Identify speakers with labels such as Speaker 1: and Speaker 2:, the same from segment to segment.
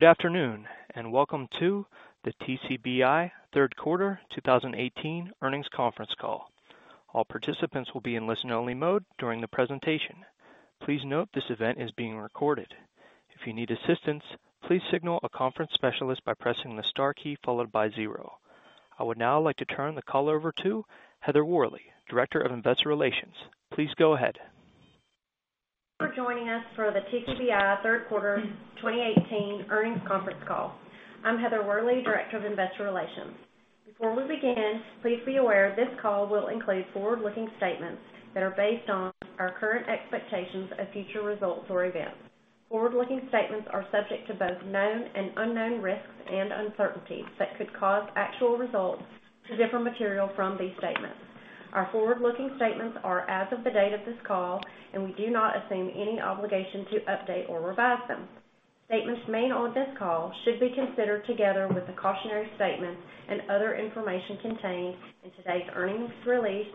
Speaker 1: Good afternoon, welcome to the TCBI Third Quarter 2018 Earnings Conference Call. All participants will be in listen only mode during the presentation. Please note this event is being recorded. If you need assistance, please signal a conference specialist by pressing the star key followed by zero. I would now like to turn the call over to Heather Worley, Director of Investor Relations. Please go ahead.
Speaker 2: Thank you for joining us for the TCBI Third Quarter 2018 Earnings Conference Call. I'm Heather Worley, Director of Investor Relations. Before we begin, please be aware this call will include forward-looking statements that are based on our current expectations of future results or events. Forward-looking statements are subject to both known and unknown risks and uncertainties that could cause actual results to differ materially from these statements. Our forward-looking statements are as of the date of this call, we do not assume any obligation to update or revise them. Statements made on this call should be considered together with the cautionary statements and other information contained in today's earnings release,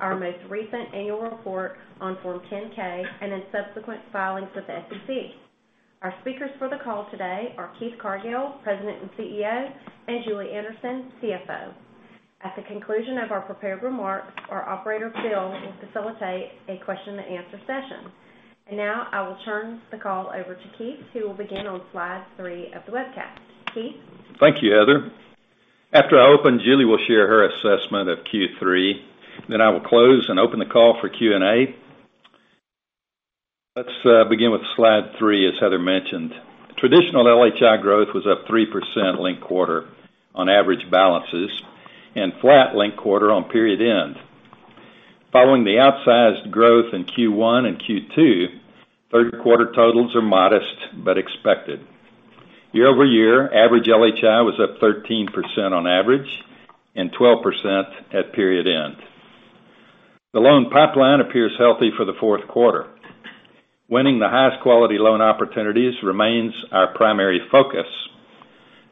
Speaker 2: our most recent annual report on Form 10-K, and in subsequent filings with the SEC. Our speakers for the call today are Keith Cargill, President and CEO, and Julie Anderson, CFO. At the conclusion of our prepared remarks, our operator, Phil, will facilitate a question and answer session. Now I will turn the call over to Keith, who will begin on slide three of the webcast. Keith?
Speaker 3: Thank you, Heather. After I open, Julie will share her assessment of Q3. I will close and open the call for Q&A. Let's begin with slide three, as Heather mentioned. Traditional LHI growth was up 3% linked quarter on average balances, flat linked quarter on period end. Following the outsized growth in Q1 and Q2, third quarter totals are modest but expected. Year-over-year, average LHI was up 13% on average, 12% at period end. The loan pipeline appears healthy for the fourth quarter. Winning the highest quality loan opportunities remains our primary focus.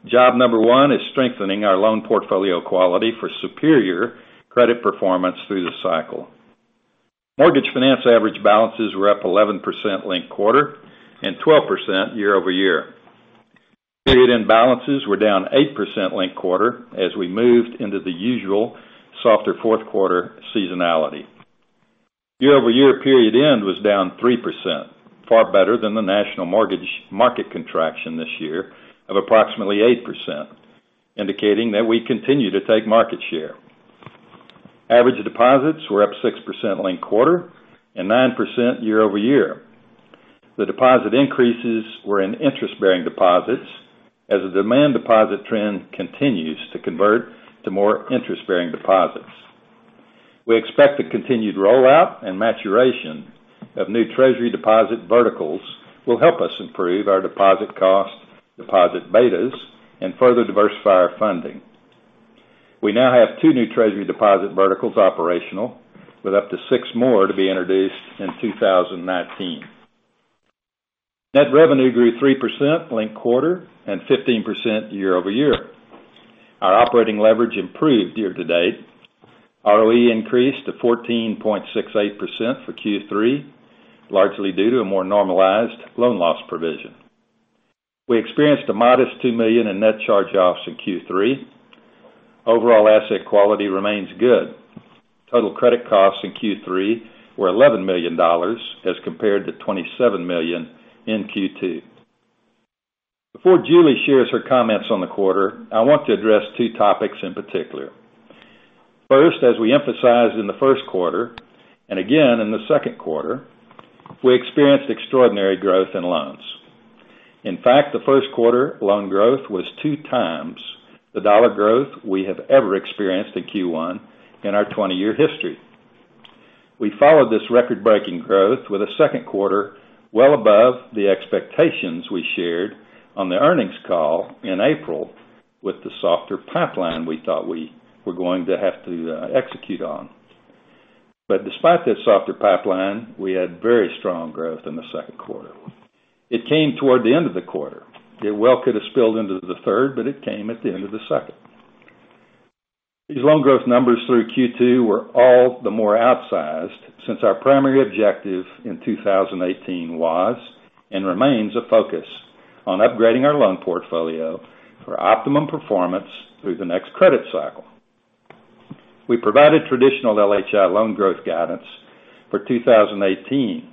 Speaker 3: Job number one is strengthening our loan portfolio quality for superior credit performance through the cycle. Mortgage finance average balances were up 11% linked quarter, 12% year-over-year. Period end balances were down 8% linked quarter as we moved into the usual softer fourth quarter seasonality. Year-over-year period end was down 3%, far better than the national mortgage market contraction this year of approximately 8%, indicating that we continue to take market share. Average deposits were up 6% linked quarter, and 9% year-over-year. The deposit increases were in interest bearing deposits as the demand deposit trend continues to convert to more interest bearing deposits. We expect the continued rollout and maturation of new treasury deposit verticals will help us improve our deposit costs, deposit betas, and further diversify our funding. We now have two new treasury deposit verticals operational, with up to six more to be introduced in 2019. Net revenue grew 3% linked quarter and 15% year-over-year. Our operating leverage improved year to date. ROE increased to 14.68% for Q3, largely due to a more normalized loan loss provision. We experienced a modest $2 million in net charge-offs in Q3. Overall asset quality remains good. Total credit costs in Q3 were $11 million as compared to $27 million in Q2. Before Julie shares her comments on the quarter, I want to address two topics in particular. First, as we emphasized in the first quarter, and again in the second quarter, we experienced extraordinary growth in loans. In fact, the first quarter loan growth was two times the dollar growth we have ever experienced in Q1 in our 20-year history. We followed this record-breaking growth with a second quarter well above the expectations we shared on the earnings call in April with the softer pipeline we thought we were going to have to execute on. Despite that softer pipeline, we had very strong growth in the second quarter. It came toward the end of the quarter. It well could have spilled into the third, but it came at the end of the second. These loan growth numbers through Q2 were all the more outsized since our primary objective in 2018 was and remains a focus on upgrading our loan portfolio for optimum performance through the next credit cycle. We provided traditional LHI loan growth guidance for 2018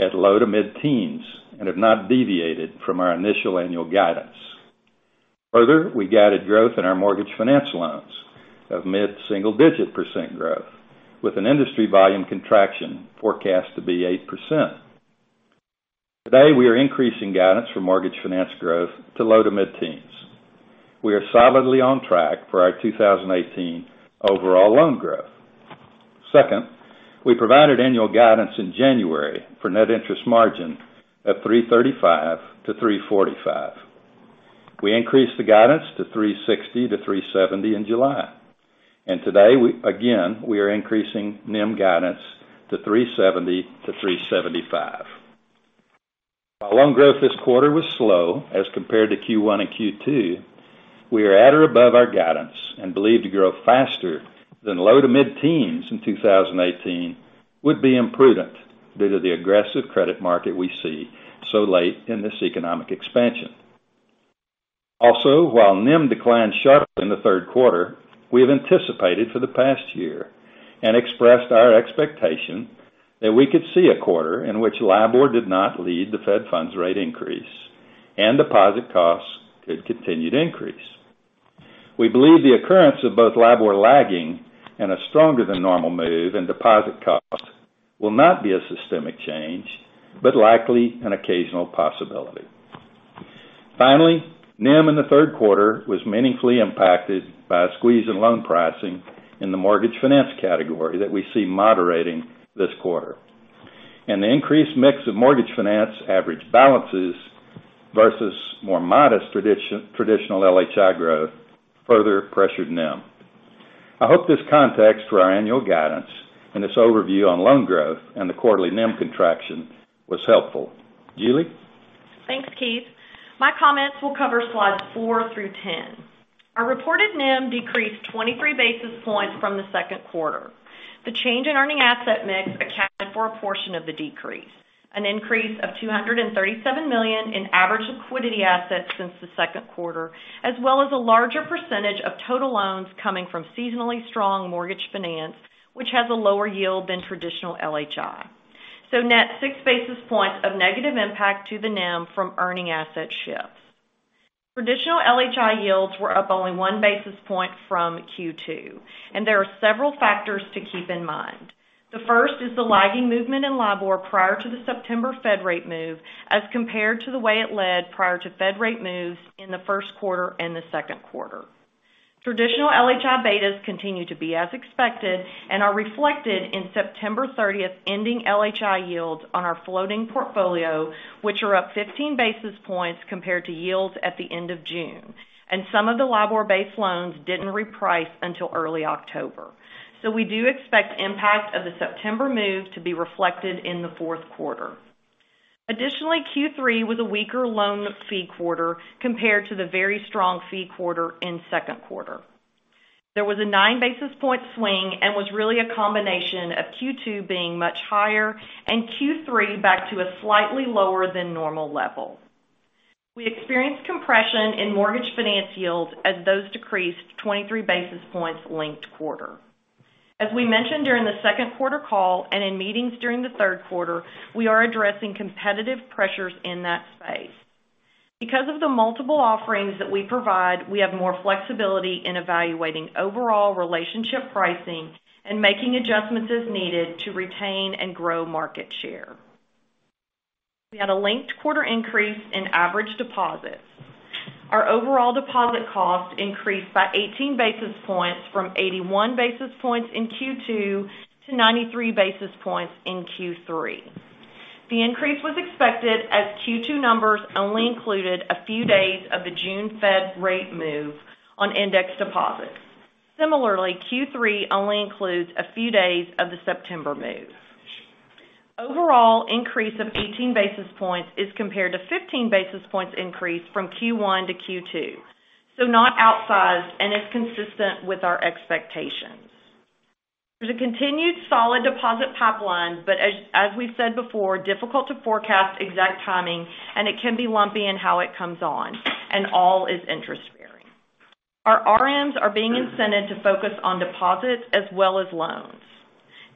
Speaker 3: at low to mid-teens and have not deviated from our initial annual guidance. Further, we guided growth in our mortgage finance loans of mid-single digit % growth with an industry volume contraction forecast to be 8%. Today, we are increasing guidance for mortgage finance growth to low to mid-teens. We are solidly on track for our 2018 overall loan growth. Second, we provided annual guidance in January for net interest margin of 335-345. We increased the guidance to 360-370 in July. Today, again, we are increasing NIM guidance to 370-375. While loan growth this quarter was slow as compared to Q1 and Q2, we are at or above our guidance and believe to grow faster than low to mid-teens in 2018 would be imprudent due to the aggressive credit market we see so late in this economic expansion. Also, while NIM declined sharply in the third quarter, we have anticipated for the past year and expressed our expectation that we could see a quarter in which LIBOR did not lead the Fed funds rate increase and deposit costs could continue to increase. We believe the occurrence of both LIBOR lagging and a stronger than normal move in deposit costs will not be a systemic change, but likely an occasional possibility. Finally, NIM in the third quarter was meaningfully impacted by a squeeze in loan pricing in the mortgage finance category that we see moderating this quarter. The increased mix of mortgage finance average balances versus more modest traditional LHI growth further pressured NIM. I hope this context for our annual guidance and this overview on loan growth and the quarterly NIM contraction was helpful. Julie?
Speaker 4: Thanks, Keith. My comments will cover slides 4 through 10. Our reported NIM decreased 23 basis points from the second quarter. The change in earning asset mix accounted for a portion of the decrease. An increase of $237 million in average liquidity assets since the second quarter, as well as a larger percentage of total loans coming from seasonally strong mortgage finance, which has a lower yield than traditional LHI. Net six basis points of negative impact to the NIM from earning asset shifts. Traditional LHI yields were up only one basis point from Q2, and there are several factors to keep in mind. The first is the lagging movement in LIBOR prior to the September Fed rate move as compared to the way it led prior to Fed rate moves in the first quarter and the second quarter. Traditional LHI betas continue to be as expected and are reflected in September 30th ending LHI yields on our floating portfolio, which are up 15 basis points compared to yields at the end of June. Some of the LIBOR-based loans didn't reprice until early October. We do expect impact of the September move to be reflected in the fourth quarter. Additionally, Q3 was a weaker loan fee quarter compared to the very strong fee quarter in second quarter. There was a nine basis point swing and was really a combination of Q2 being much higher and Q3 back to a slightly lower than normal level. We experienced compression in mortgage finance yields as those decreased 23 basis points linked quarter. As we mentioned during the second quarter call and in meetings during the third quarter, we are addressing competitive pressures in that space. Because of the multiple offerings that we provide, we have more flexibility in evaluating overall relationship pricing and making adjustments as needed to retain and grow market share. We had a linked quarter increase in average deposits. Our overall deposit cost increased by 18 basis points from 81 basis points in Q2 to 93 basis points in Q3. The increase was expected as Q2 numbers only included a few days of the June Fed rate move on index deposits. Similarly, Q3 only includes a few days of the September move. Overall increase of 18 basis points is compared to 15 basis points increase from Q1 to Q2, not outsized and is consistent with our expectations. There's a continued solid deposit pipeline, as we've said before, difficult to forecast exact timing and it can be lumpy in how it comes on, all is interest bearing. Our RMs are being incented to focus on deposits as well as loans.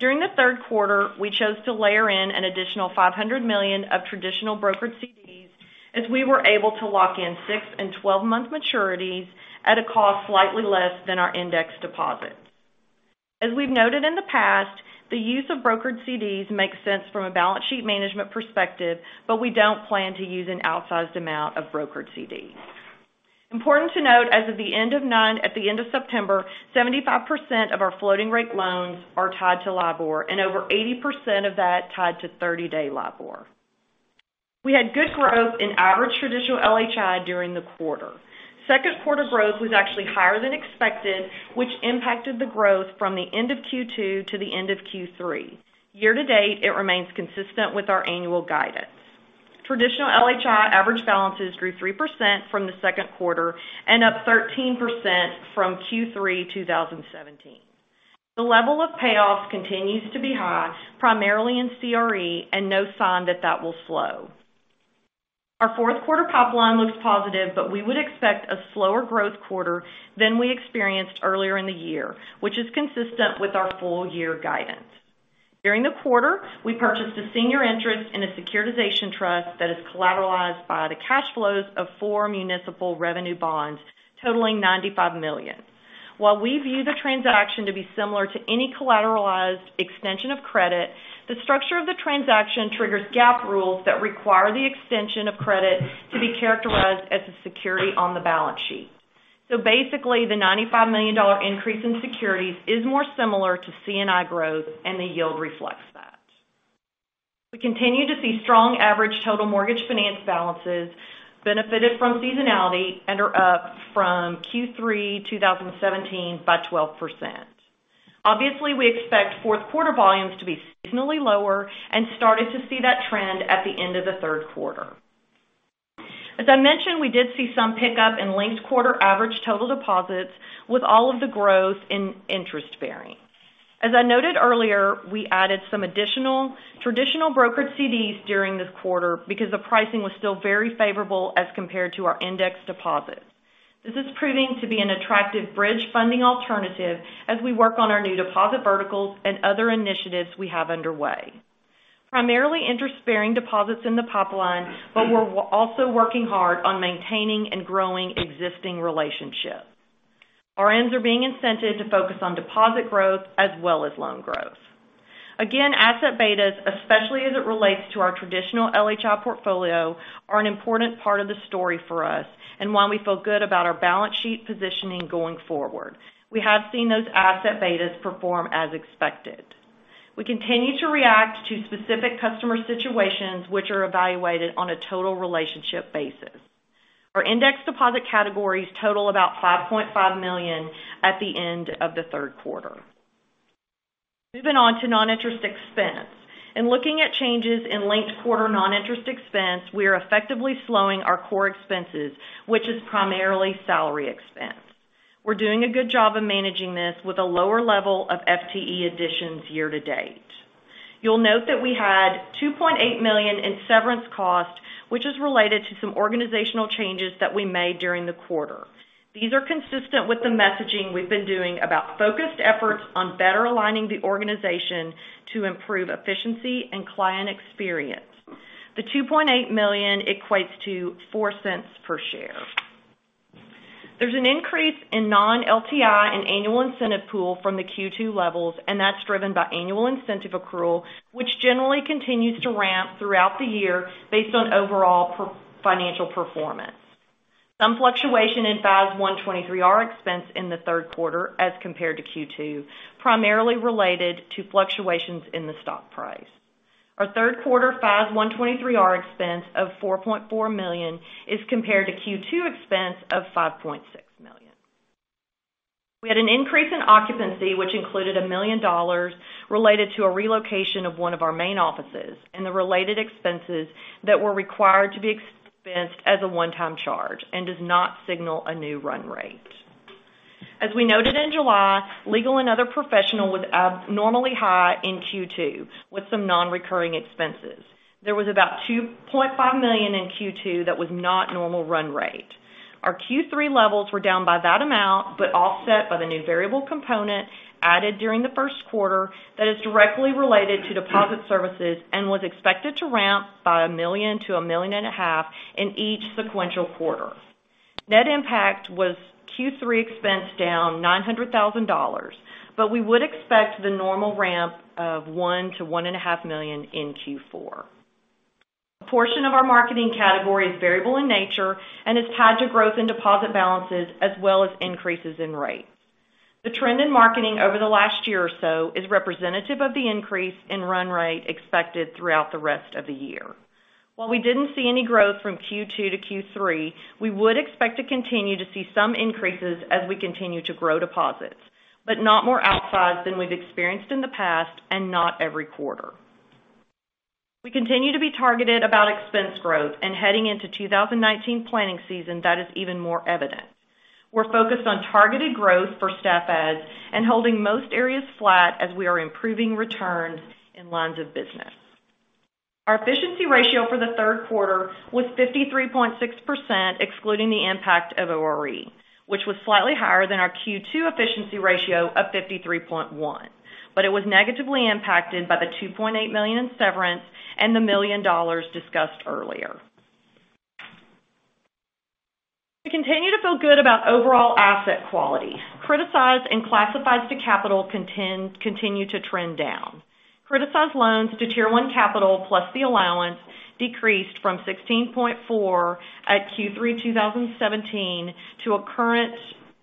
Speaker 4: During the third quarter, we chose to layer in an additional $500 million of traditional brokered CDs as we were able to lock in six and 12-month maturities at a cost slightly less than our index deposits. As we've noted in the past, the use of brokered CDs makes sense from a balance sheet management perspective, but we don't plan to use an outsized amount of brokered CDs. Important to note, as of the end of September, 75% of our floating rate loans are tied to LIBOR, and over 80% of that tied to 30-day LIBOR. We had good growth in average traditional LHI during the quarter. Second quarter growth was actually higher than expected, which impacted the growth from the end of Q2 to the end of Q3. Year to date, it remains consistent with our annual guidance. Traditional LHI average balances grew 3% from the second quarter and up 13% from Q3 2017. The level of payoffs continues to be high, primarily in CRE, and no sign that that will slow. Our fourth quarter pipeline looks positive, but we would expect a slower growth quarter than we experienced earlier in the year, which is consistent with our full year guidance. During the quarter, we purchased a senior interest in a securitization trust that is collateralized by the cash flows of four municipal revenue bonds totaling $95 million. While we view the transaction to be similar to any collateralized extension of credit, the structure of the transaction triggers GAAP rules that require the extension of credit to be characterized as a security on the balance sheet. Basically, the $95 million increase in securities is more similar to C&I growth, and the yield reflects that. We continue to see strong average total mortgage finance balances benefited from seasonality and are up from Q3 2017 by 12%. Obviously, we expect fourth quarter volumes to be seasonally lower and started to see that trend at the end of the third quarter. As I mentioned, we did see some pickup in linked quarter average total deposits with all of the growth in interest-bearing. As I noted earlier, we added some additional traditional brokered CDs during this quarter because the pricing was still very favorable as compared to our index deposits. This is proving to be an attractive bridge funding alternative as we work on our new deposit verticals and other initiatives we have underway. Primarily interest-bearing deposits in the pipeline, but we're also working hard on maintaining and growing existing relationships. Our RMs are being incented to focus on deposit growth as well as loan growth. Again, asset betas, especially as it relates to our traditional LHI portfolio, are an important part of the story for us and why we feel good about our balance sheet positioning going forward. We have seen those asset betas perform as expected. We continue to react to specific customer situations which are evaluated on a total relationship basis. Our index deposit categories total about $5.5 million at the end of the third quarter. Moving on to non-interest expense. In looking at changes in linked quarter non-interest expense, we are effectively slowing our core expenses, which is primarily salary expense. We're doing a good job of managing this with a lower level of FTE additions year to date. You'll note that we had $2.8 million in severance cost, which is related to some organizational changes that we made during the quarter. These are consistent with the messaging we've been doing about focused efforts on better aligning the organization to improve efficiency and client experience. The $2.8 million equates to $0.04 per share. There's an increase in non-LTI and annual incentive pool from the Q2 levels, that's driven by annual incentive accrual, which generally continues to ramp throughout the year based on overall financial performance. Some fluctuation in FAS 123R expense in the third quarter as compared to Q2, primarily related to fluctuations in the stock price. Our third quarter FAS 123R expense of $4.4 million is compared to Q2 expense of $5.6 million. We had an increase in occupancy, which included $1 million related to a relocation of one of our main offices and the related expenses that were required to be expensed as a one-time charge and does not signal a new run rate. As we noted in July, legal and other professional was abnormally high in Q2 with some non-recurring expenses. There was about $2.5 million in Q2 that was not normal run rate. Our Q3 levels were down by that amount, offset by the new variable component added during the first quarter that is directly related to deposit services and was expected to ramp by $1 million to $1.5 million in each sequential quarter. Net impact was Q3 expense down $900,000, we would expect the normal ramp of $1 million to $1.5 million in Q4. A portion of our marketing category is variable in nature and is tied to growth in deposit balances as well as increases in rate. The trend in marketing over the last year or so is representative of the increase in run rate expected throughout the rest of the year. While we didn't see any growth from Q2 to Q3, we would expect to continue to see some increases as we continue to grow deposits, not more outsized than we've experienced in the past and not every quarter. We continue to be targeted about expense growth, heading into 2019 planning season, that is even more evident. We're focused on targeted growth for staff adds and holding most areas flat as we are improving returns in lines of business. Our efficiency ratio for the third quarter was 53.6%, excluding the impact of ORE, which was slightly higher than our Q2 efficiency ratio of 53.1%, it was negatively impacted by the $2.8 million in severance and the $1 million discussed earlier. We continue to feel good about overall asset quality. Criticized and classified to capital continue to trend down. Criticized loans to Tier 1 capital plus the allowance decreased from 16.4% at Q3 2017 to a current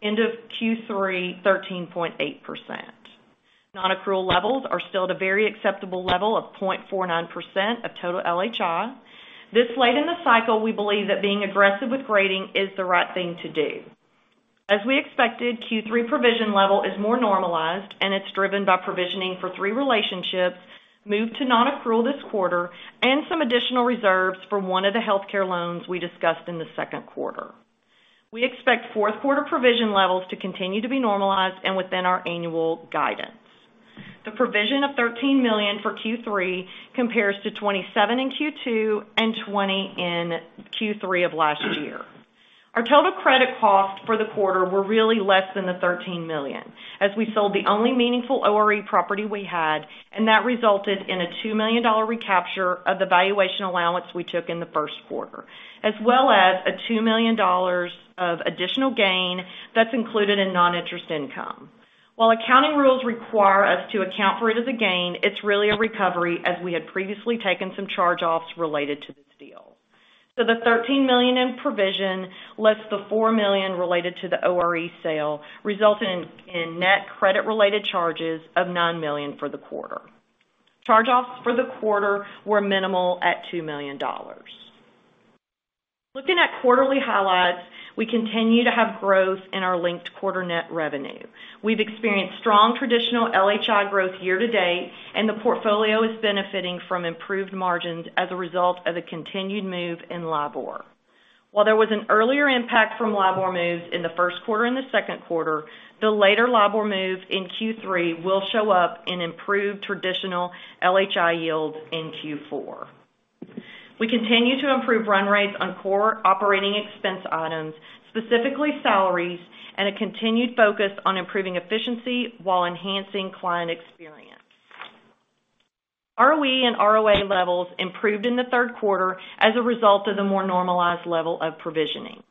Speaker 4: end of Q3 13.8%. Non-accrual levels are still at a very acceptable level of 0.49% of total LHI. This late in the cycle, we believe that being aggressive with grading is the right thing to do. As we expected, Q3 provision level is more normalized, and it's driven by provisioning for three relationships moved to non-accrual this quarter and some additional reserves for one of the healthcare loans we discussed in the second quarter. We expect fourth quarter provision levels to continue to be normalized and within our annual guidance. The provision of $13 million for Q3 compares to $27 million in Q2 and $20 million in Q3 of last year. Our total credit costs for the quarter were really less than the $13 million as we sold the only meaningful ORE property we had, and that resulted in a $2 million recapture of the valuation allowance we took in the first quarter. As well as a $2 million of additional gain that's included in non-interest income. While accounting rules require us to account for it as a gain, it's really a recovery as we had previously taken some charge-offs related to this deal. The $13 million in provision less the $4 million related to the ORE sale resulted in net credit-related charges of $9 million for the quarter. Charge-offs for the quarter were minimal at $2 million. Looking at quarterly highlights, we continue to have growth in our linked quarter net revenue. We've experienced strong traditional LHI growth year to date, and the portfolio is benefiting from improved margins as a result of the continued move in LIBOR. While there was an earlier impact from LIBOR moves in the first quarter and the second quarter, the later LIBOR move in Q3 will show up in improved traditional LHI yields in Q4. We continue to improve run rates on core operating expense items, specifically salaries, and a continued focus on improving efficiency while enhancing client experience. ROE and ROA levels improved in the third quarter as a result of the more normalized level of provisioning.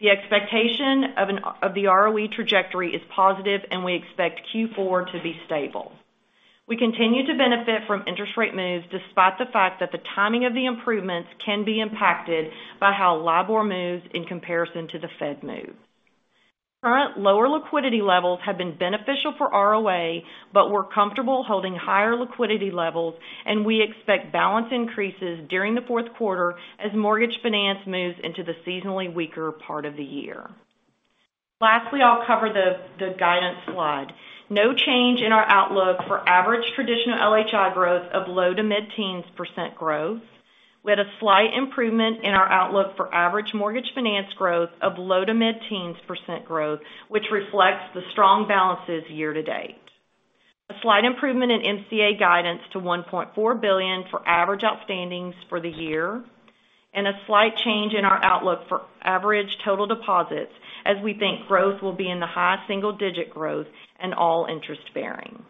Speaker 4: The expectation of the ROE trajectory is positive, and we expect Q4 to be stable. We continue to benefit from interest rate moves, despite the fact that the timing of the improvements can be impacted by how LIBOR moves in comparison to the Fed move. Current lower liquidity levels have been beneficial for ROA, but we're comfortable holding higher liquidity levels, and we expect balance increases during the fourth quarter as mortgage finance moves into the seasonally weaker part of the year. Lastly, I'll cover the guidance slide. No change in our outlook for average traditional LHI growth of low to mid-teens % growth. We had a slight improvement in our outlook for average mortgage finance growth of low to mid-teens % growth, which reflects the strong balances year to date. A slight improvement in NCA guidance to $1.4 billion for average outstandings for the year, and a slight change in our outlook for average total deposits, as we think growth will be in the high single-digit growth in all interest-bearing.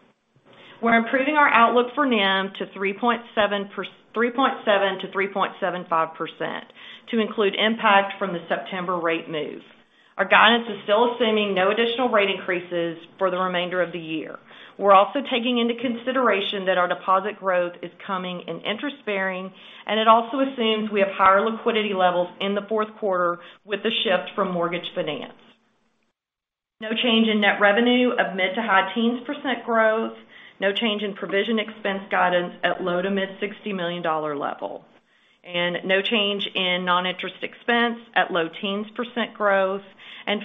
Speaker 4: We're improving our outlook for NIM to 3.7%-3.75% to include impact from the September rate move. Our guidance is still assuming no additional rate increases for the remainder of the year. We're also taking into consideration that our deposit growth is coming in interest-bearing, and it also assumes we have higher liquidity levels in the fourth quarter with the shift from mortgage finance. No change in net revenue of mid to high teens % growth. No change in provision expense guidance at low to mid $60 million level. No change in non-interest expense at low teens % growth.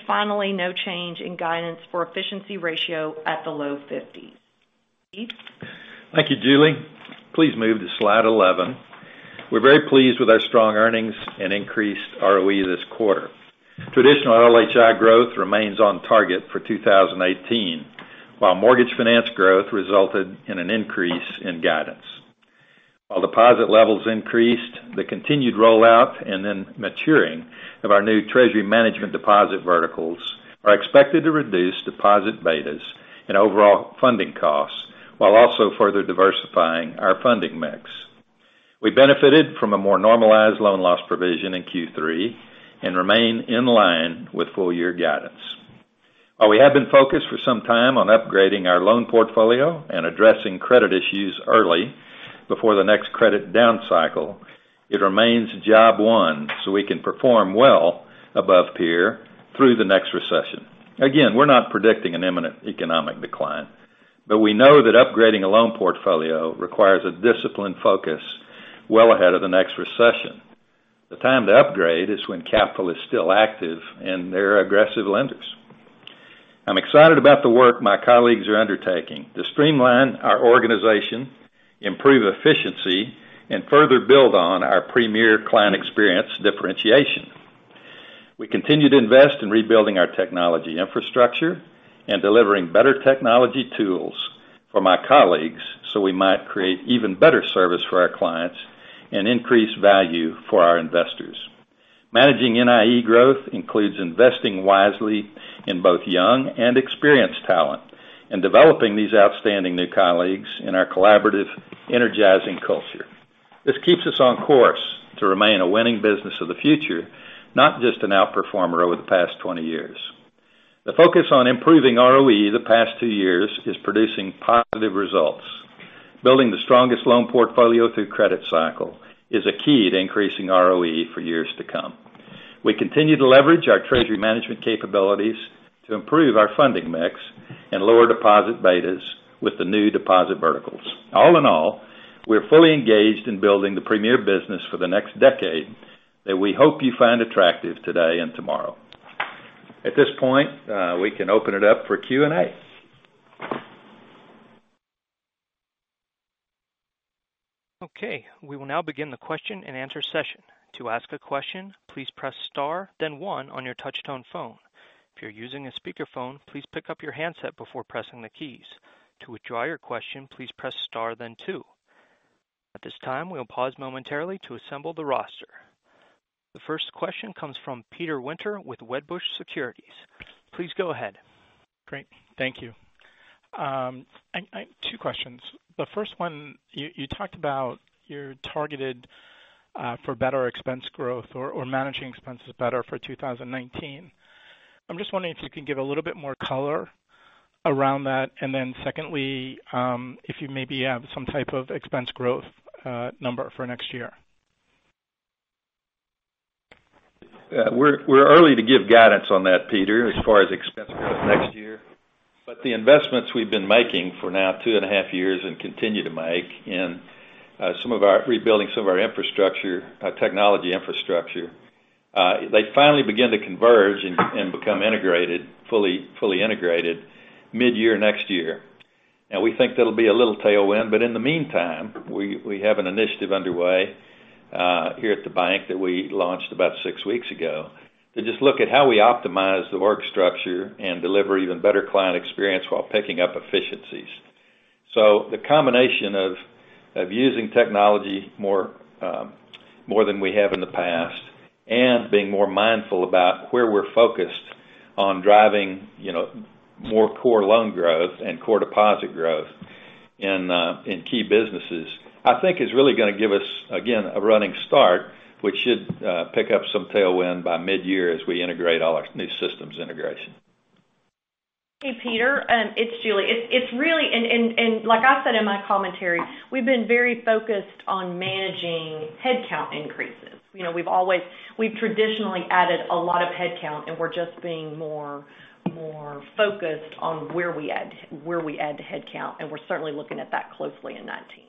Speaker 4: Finally, no change in guidance for efficiency ratio at the low 50s. Keith?
Speaker 3: Thank you, Julie. Please move to slide 11. We're very pleased with our strong earnings and increased ROE this quarter. Traditional LHI growth remains on target for 2018, while mortgage finance growth resulted in an increase in guidance. While deposit levels increased, the continued rollout and maturing of our new treasury management deposit verticals are expected to reduce deposit betas and overall funding costs, while also further diversifying our funding mix. We benefited from a more normalized loan loss provision in Q3 and remain in line with full year guidance. While we have been focused for some time on upgrading our loan portfolio and addressing credit issues early before the next credit down cycle, it remains job one so we can perform well above peer through the next recession. We're not predicting an imminent economic decline, but we know that upgrading a loan portfolio requires a disciplined focus well ahead of the next recession. The time to upgrade is when capital is still active and there are aggressive lenders. I'm excited about the work my colleagues are undertaking to streamline our organization, improve efficiency, and further build on our premier client experience differentiation. We continue to invest in rebuilding our technology infrastructure and delivering better technology tools for my colleagues so we might create even better service for our clients and increase value for our investors. Managing NIE growth includes investing wisely in both young and experienced talent and developing these outstanding new colleagues in our collaborative, energizing culture. This keeps us on course to remain a winning business of the future, not just an outperformer over the past 20 years. The focus on improving ROE the past two years is producing positive results. Building the strongest loan portfolio through credit cycle is a key to increasing ROE for years to come. We continue to leverage our treasury management capabilities to improve our funding mix and lower deposit betas with the new deposit verticals. All in all, we're fully engaged in building the premier business for the next decade that we hope you find attractive today and tomorrow. At this point, we can open it up for Q&A.
Speaker 1: Okay. We will now begin the question and answer session. To ask a question, please press star then one on your touchtone phone. If you're using a speakerphone, please pick up your handset before pressing the keys. To withdraw your question, please press star then two. At this time, we'll pause momentarily to assemble the roster. The first question comes from Peter Winter with Wedbush Securities. Please go ahead.
Speaker 5: Great. Thank you. I have two questions. The first one, you talked about your targeted for better expense growth or managing expenses better for 2019. I'm just wondering if you could give a little bit more color around that. Secondly, if you maybe have some type of expense growth number for next year.
Speaker 3: Yeah. We're early to give guidance on that, Peter, as far as expense growth next year. The investments we've been making for now two and a half years and continue to make in rebuilding some of our infrastructure, technology infrastructure, they finally begin to converge and become integrated, fully integrated, mid-year next year. We think that'll be a little tailwind, but in the meantime, we have an initiative underway here at the bank that we launched about six weeks ago to just look at how we optimize the org structure and deliver even better client experience while picking up efficiencies. The combination of using technology more than we have in the past and being more mindful about where we're focused on driving more core loan growth and core deposit growth in key businesses, I think is really going to give us, again, a running start, which should pick up some tailwind by mid-year as we integrate all our new systems integration.
Speaker 4: Hey, Peter, it's Julie. Like I said in my commentary, we've been very focused on managing headcount increases. We've traditionally added a lot of headcount, and we're just being more focused on where we add headcount, and we're certainly looking at that closely in 2019.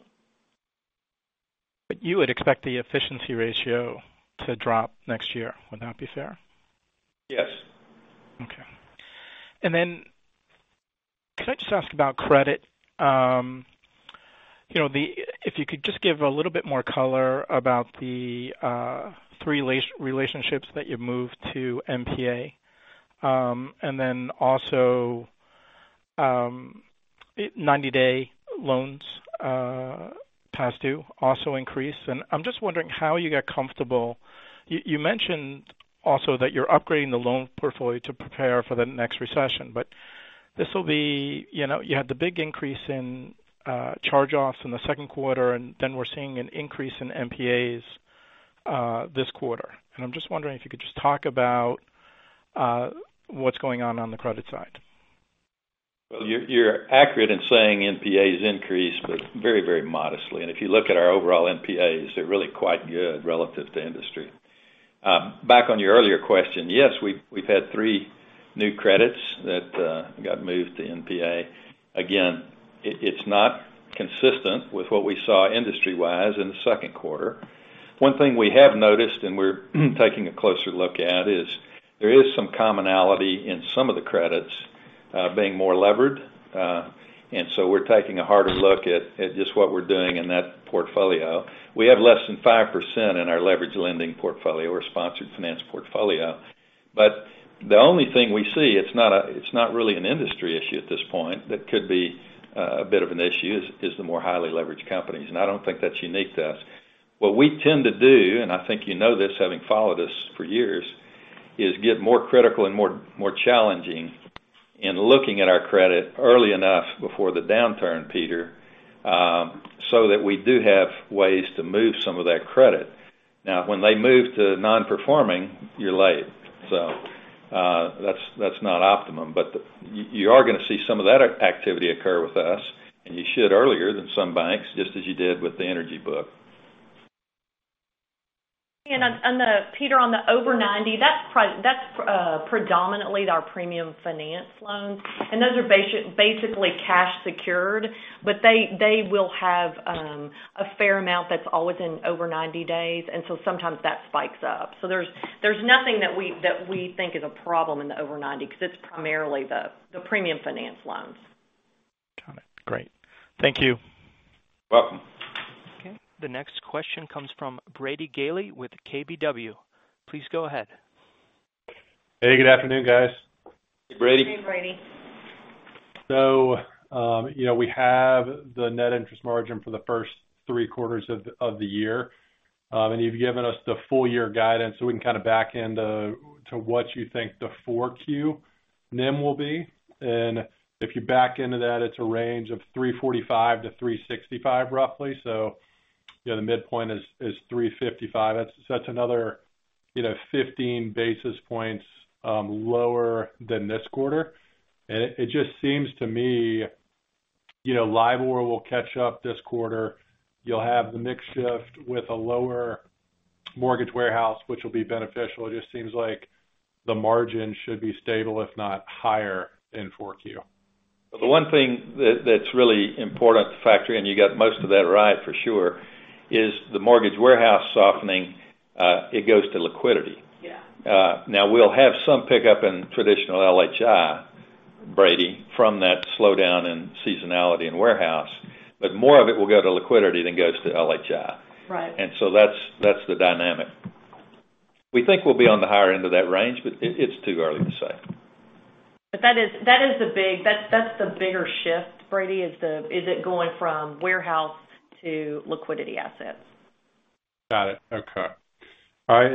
Speaker 5: You would expect the efficiency ratio to drop next year. Would that be fair?
Speaker 3: Yes.
Speaker 5: Okay. Could I just ask about credit? If you could just give a little bit more color about the three relationships that you've moved to NPA. Also, 90-day loans past due also increased, and I'm just wondering how you got comfortable. You mentioned also that you're upgrading the loan portfolio to prepare for the next recession, but you had the big increase in charge-offs in the second quarter, and then we're seeing an increase in NPAs this quarter. I'm just wondering if you could just talk about what's going on on the credit side.
Speaker 3: Well, you're accurate in saying NPAs increased, but very modestly. If you look at our overall NPAs, they're really quite good relative to industry. Back on your earlier question, yes, we've had three new credits that got moved to NPA. Again, it's not consistent with what we saw industry-wise in the second quarter. One thing we have noticed, and we're taking a closer look at, is there is some commonality in some of the credits being more levered. We're taking a harder look at just what we're doing in that portfolio. We have less than 5% in our leverage lending portfolio or sponsored finance portfolio. The only thing we see, it's not really an industry issue at this point, that could be a bit of an issue is the more highly leveraged companies, and I don't think that's unique to us. What we tend to do, and I think you know this, having followed us for years, is get more critical and more challenging in looking at our credit early enough before the downturn, Peter, so that we do have ways to move some of that credit. Now, when they move to non-performing, you're late. That's not optimum, but you are going to see some of that activity occur with us, and you should earlier than some banks, just as you did with the energy book.
Speaker 4: Peter, on the over 90, that's predominantly our premium finance loans, and those are basically cash secured, but they will have a fair amount that's always in over 90 days, sometimes that spikes up. There's nothing that we think is a problem in the over 90 because it's primarily the premium finance loans.
Speaker 5: Got it. Great. Thank you.
Speaker 3: Welcome.
Speaker 1: The next question comes from Brady Gailey with KBW. Please go ahead.
Speaker 6: Hey, good afternoon, guys.
Speaker 3: Hey, Brady.
Speaker 4: Hey, Brady.
Speaker 6: We have the net interest margin for the first three quarters of the year. You've given us the full year guidance, so we can kind of back into to what you think the 4Q NIM will be. If you back into that, it's a range of 345-365, roughly. The midpoint is 355. That's another 15 basis points lower than this quarter. It just seems to me, LIBOR will catch up this quarter. You'll have the mix shift with a lower mortgage warehouse, which will be beneficial. It just seems like the margin should be stable, if not higher in 4Q.
Speaker 3: The one thing that's really important to factor in, you got most of that right for sure, is the mortgage warehouse softening, it goes to liquidity.
Speaker 4: Yeah.
Speaker 3: We'll have some pickup in traditional LHI, Brady, from that slowdown in seasonality in warehouse, but more of it will go to liquidity than goes to LHI.
Speaker 4: Right.
Speaker 3: That's the dynamic. We think we'll be on the higher end of that range, but it's too early to say.
Speaker 4: That's the bigger shift, Brady, is it going from warehouse to liquidity assets.
Speaker 6: Got it. Okay. All right.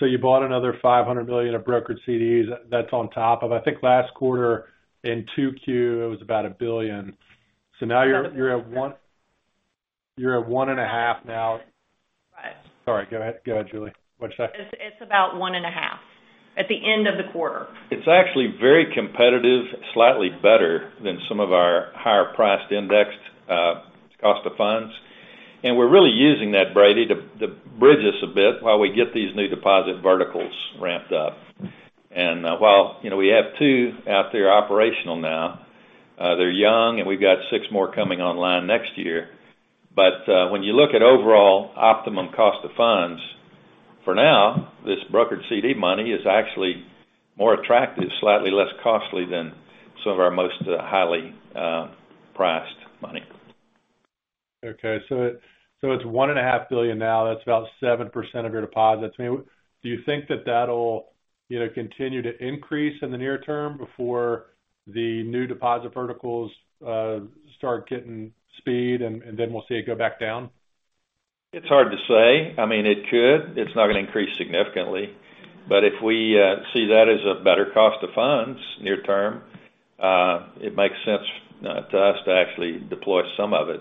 Speaker 6: You bought another $500 million of brokered CDs. That's on top of, I think, last quarter in 2Q, it was about $1 billion. Now you're at $1.5 billion now.
Speaker 4: Right.
Speaker 6: Sorry. Go ahead, Julie. What'd you say?
Speaker 4: It's about $1.5 billion at the end of the quarter.
Speaker 3: It's actually very competitive, slightly better than some of our higher priced indexed cost of funds. We're really using that, Brady, to bridge us a bit while we get these new deposit verticals ramped up. While we have two out there operational now, they're young, and we've got six more coming online next year. When you look at overall optimum cost of funds, for now, this brokered CD money is actually more attractive, slightly less costly than some of our most highly priced money.
Speaker 6: Okay, it's $1.5 billion now. That's about 7% of your deposits. Do you think that that'll continue to increase in the near term before the new deposit verticals start getting speed, and then we'll see it go back down?
Speaker 3: It's hard to say. It could. It's not going to increase significantly. If we see that as a better cost of funds near term, it makes sense to us to actually deploy some of it.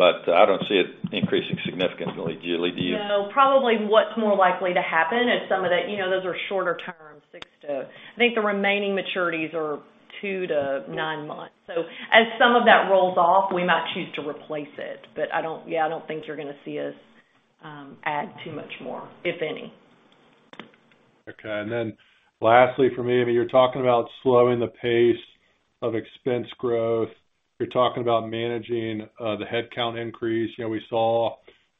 Speaker 3: I don't see it increasing significantly. Julie, do you?
Speaker 4: No, probably what's more likely to happen is some of that, those are shorter term. I think the remaining maturities are two to nine months. As some of that rolls off, we might choose to replace it. I don't think you're going to see us add too much more, if any.
Speaker 6: Okay. Lastly from me, you're talking about slowing the pace of expense growth. You're talking about managing the headcount increase. We saw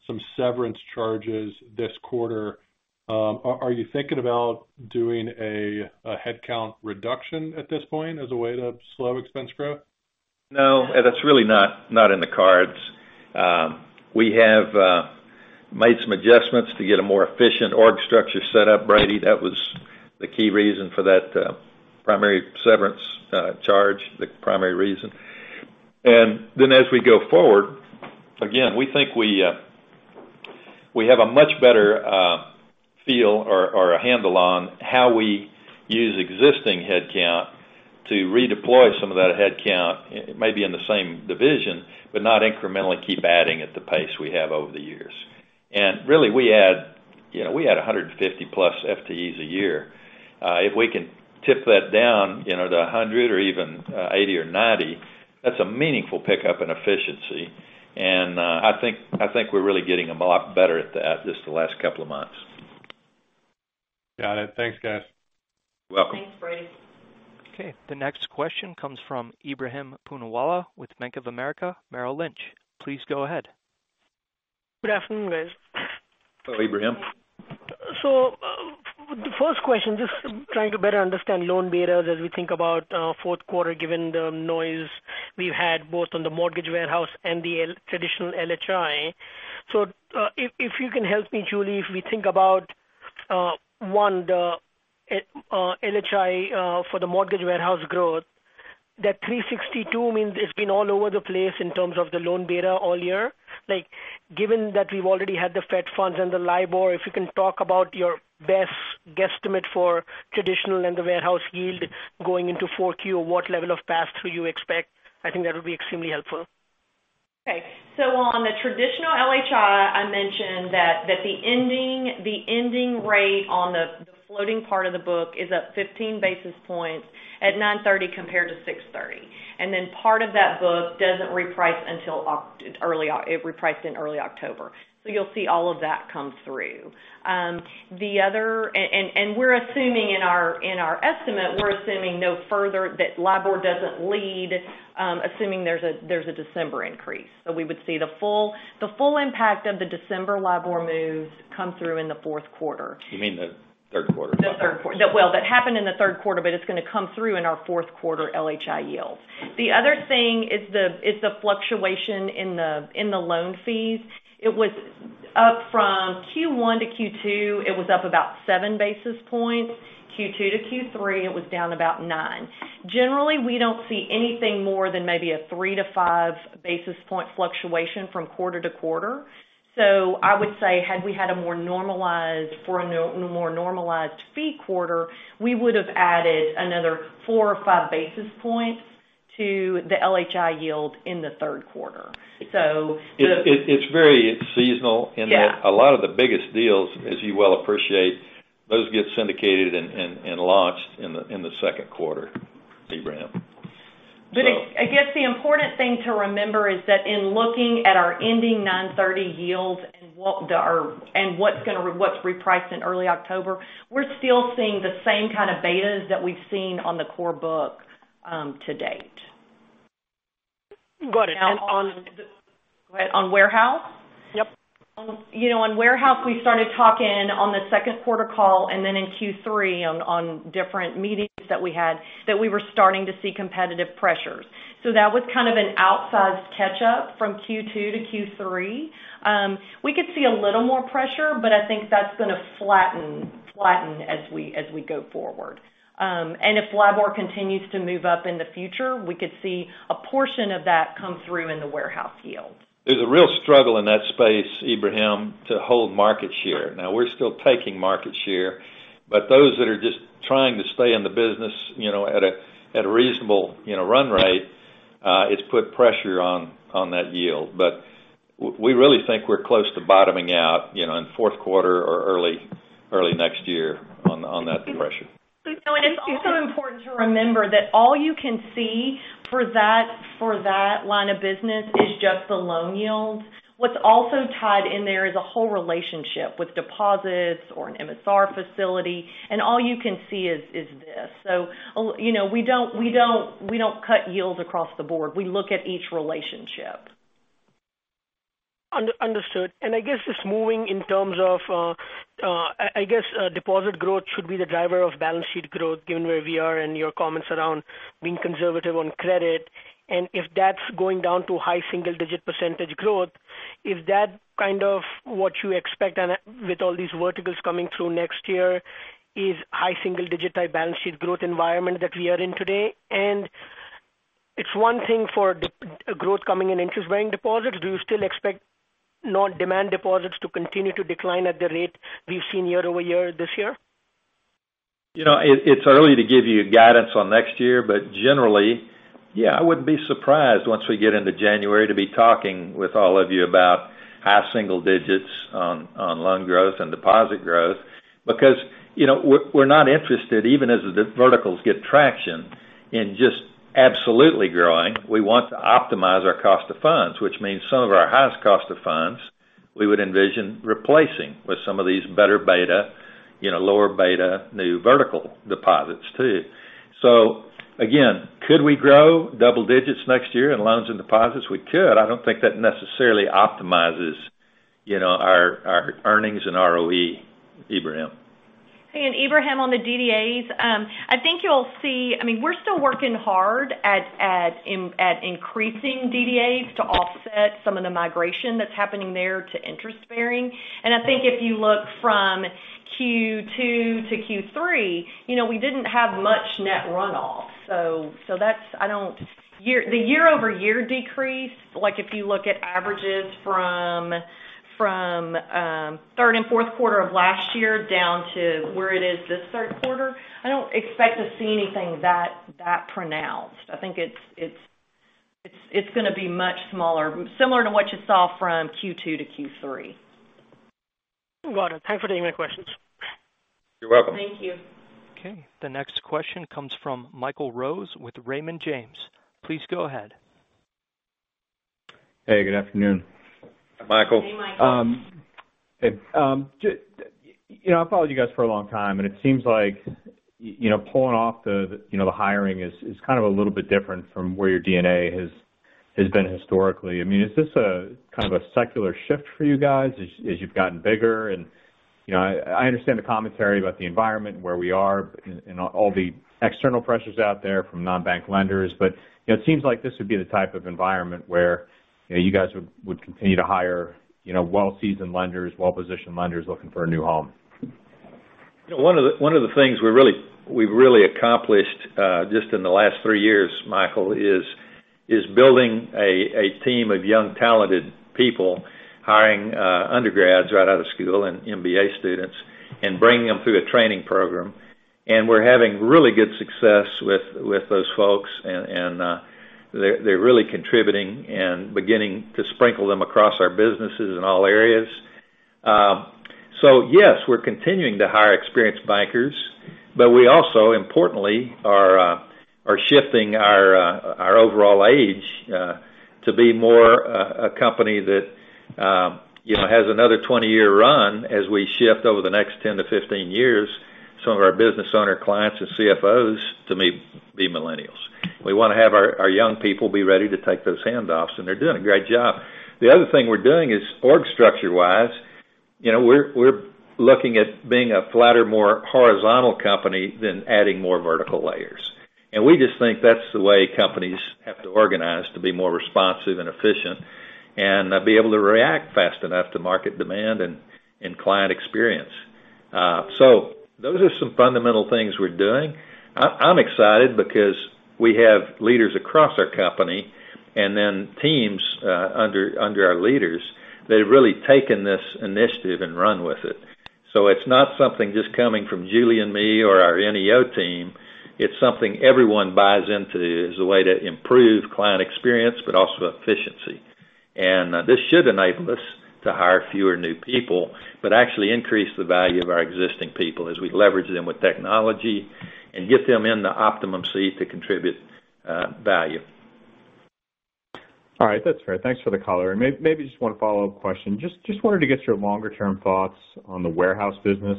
Speaker 6: some severance charges this quarter. Are you thinking about doing a headcount reduction at this point as a way to slow expense growth?
Speaker 3: No, that's really not in the cards. We have made some adjustments to get a more efficient org structure set up, Brady. That was the key reason for that primary severance charge, the primary reason. As we go forward, again, we think we have a much better feel or a handle on how we use existing headcount to redeploy some of that headcount, maybe in the same division, but not incrementally keep adding at the pace we have over the years. Really, we add 150+ FTEs a year. If we can tip that down to 100 or even 80 or 90, that's a meaningful pickup in efficiency, and I think we're really getting a lot better at that just the last couple of months.
Speaker 6: Got it. Thanks, guys.
Speaker 3: You're welcome.
Speaker 4: Thanks, Brady.
Speaker 1: Okay. The next question comes from Ebrahim Poonawala with Bank of America Merrill Lynch. Please go ahead.
Speaker 7: Good afternoon, guys.
Speaker 3: Hello, Ebrahim.
Speaker 7: For the first question, just trying to better understand loan betas as we think about fourth quarter, given the noise we've had both on the mortgage warehouse and the traditional LHI. If you can help me, Julie, if we think about, one, the LHI for the mortgage warehouse growth, that 362 means it's been all over the place in terms of the loan beta all year. Given that we've already had the Fed funds and the LIBOR, if you can talk about your best guesstimate for traditional and the warehouse yield going into 4Q, or what level of pass-through you expect, I think that would be extremely helpful.
Speaker 4: Okay. On the traditional LHI, I mentioned that the ending rate on the floating part of the book is up 15 basis points at 930 compared to 630. Part of that book doesn't reprice until It repriced in early October. You'll see all of that come through. We're assuming in our estimate, we're assuming no further, that LIBOR doesn't lead, assuming there's a December increase. We would see the full impact of the December LIBOR moves come through in the fourth quarter.
Speaker 3: You mean the third quarter.
Speaker 4: The third quarter. That happened in the third quarter, but it's going to come through in our fourth quarter LHI yields. The other thing is the fluctuation in the loan fees. It was up from Q1 to Q2, it was up about seven basis points. Q2 to Q3, it was down about nine. Generally, we don't see anything more than maybe a three to five basis point fluctuation from quarter to quarter. I would say had we had a more normalized fee quarter, we would have added another four or five basis points to the LHI yield in the third quarter. The-
Speaker 3: It's very seasonal-
Speaker 4: Yeah
Speaker 3: in that a lot of the biggest deals, as you well appreciate, those get syndicated and launched in the second quarter, Ebrahim.
Speaker 4: I guess the important thing to remember is that in looking at our ending 9/30 yields and what's repriced in early October, we're still seeing the same kind of betas that we've seen on the core book to date.
Speaker 7: Got it.
Speaker 4: Go ahead. On warehouse?
Speaker 7: Yep.
Speaker 4: On warehouse, we started talking on the second quarter call and then in Q3 on different meetings that we had, that we were starting to see competitive pressures. That was kind of an outsized catch-up from Q2 to Q3. We could see a little more pressure, but I think that's going to flatten as we go forward. If LIBOR continues to move up in the future, we could see a portion of that come through in the warehouse yield.
Speaker 3: There's a real struggle in that space, Ebrahim, to hold market share. Now, we're still taking market share, but those that are just trying to stay in the business at a reasonable run rate, it's put pressure on that yield. We really think we're close to bottoming out in the fourth quarter or early next year on that pressure.
Speaker 4: It's also important to remember that all you can see for that line of business is just the loan yield. What's also tied in there is a whole relationship with deposits or an MSR facility, and all you can see is this. We don't cut yield across the board. We look at each relationship.
Speaker 7: Understood. I guess just moving I guess deposit growth should be the driver of balance sheet growth, given where we are and your comments around being conservative on credit. If that's going down to high single-digit % growth, is that kind of what you expect with all these verticals coming through next year, is high single-digit type balance sheet growth environment that we are in today? It's one thing for growth coming in interest-bearing deposits. Do you still expect non-demand deposits to continue to decline at the rate we've seen year-over-year this year?
Speaker 3: It's early to give you guidance on next year. Generally, I wouldn't be surprised once we get into January to be talking with all of you about high single digits on loan growth and deposit growth because we're not interested, even as the verticals get traction, in just absolutely growing. We want to optimize our cost of funds, which means some of our highest cost of funds, we would envision replacing with some of these better beta, lower beta, new vertical deposits, too. Again, could we grow double digits next year in loans and deposits? We could. I don't think that necessarily optimizes our earnings and ROE, Ebrahim.
Speaker 4: Hey, Ebrahim, on the DDAs, I think you'll see, we're still working hard at increasing DDAs to offset some of the migration that's happening there to interest bearing. I think if you look from Q2 to Q3, we didn't have much net runoff. The year-over-year decrease, if you look at averages from third and fourth quarter of last year down to where it is this third quarter, I don't expect to see anything that pronounced. I think it's going to be much smaller, similar to what you saw from Q2 to Q3.
Speaker 7: Got it. Thanks for taking my questions.
Speaker 3: You're welcome.
Speaker 4: Thank you.
Speaker 1: Okay, the next question comes from Michael Rose with Raymond James. Please go ahead.
Speaker 8: Hey, good afternoon.
Speaker 3: Hi, Michael.
Speaker 4: Hey, Michael.
Speaker 8: Hey. It seems like pulling off the hiring is kind of a little bit different from where your DNA has been historically. Is this a kind of a secular shift for you guys as you've gotten bigger? I understand the commentary about the environment and where we are and all the external pressures out there from non-bank lenders, but it seems like this would be the type of environment where you guys would continue to hire well-seasoned lenders, well-positioned lenders looking for a new home.
Speaker 3: One of the things we've really accomplished just in the last three years, Michael, is building a team of young talented people, hiring undergrads right out of school and MBA students, and bringing them through a training program. We're having really good success with those folks, and they're really contributing and beginning to sprinkle them across our businesses in all areas. Yes, we're continuing to hire experienced bankers, but we also, importantly, are shifting our overall age to be more a company that has another 20-year run as we shift over the next 10 to 15 years some of our business owner clients and CFOs to be millennials. We want to have our young people be ready to take those handoffs, and they're doing a great job. The other thing we're doing is org structure-wise, we're looking at being a flatter, more horizontal company than adding more vertical layers. We just think that's the way companies have to organize to be more responsive and efficient, and be able to react fast enough to market demand and client experience. Those are some fundamental things we're doing. I'm excited because we have leaders across our company, and then teams under our leaders that have really taken this initiative and run with it. So it's not something just coming from Julie and me or our NEO team. It's something everyone buys into as a way to improve client experience, but also efficiency. This should enable us to hire fewer new people, but actually increase the value of our existing people as we leverage them with technology and get them in the optimum seat to contribute value.
Speaker 8: All right. That's fair. Thanks for the color. Maybe just one follow-up question. Just wanted to get your longer term thoughts on the warehouse business.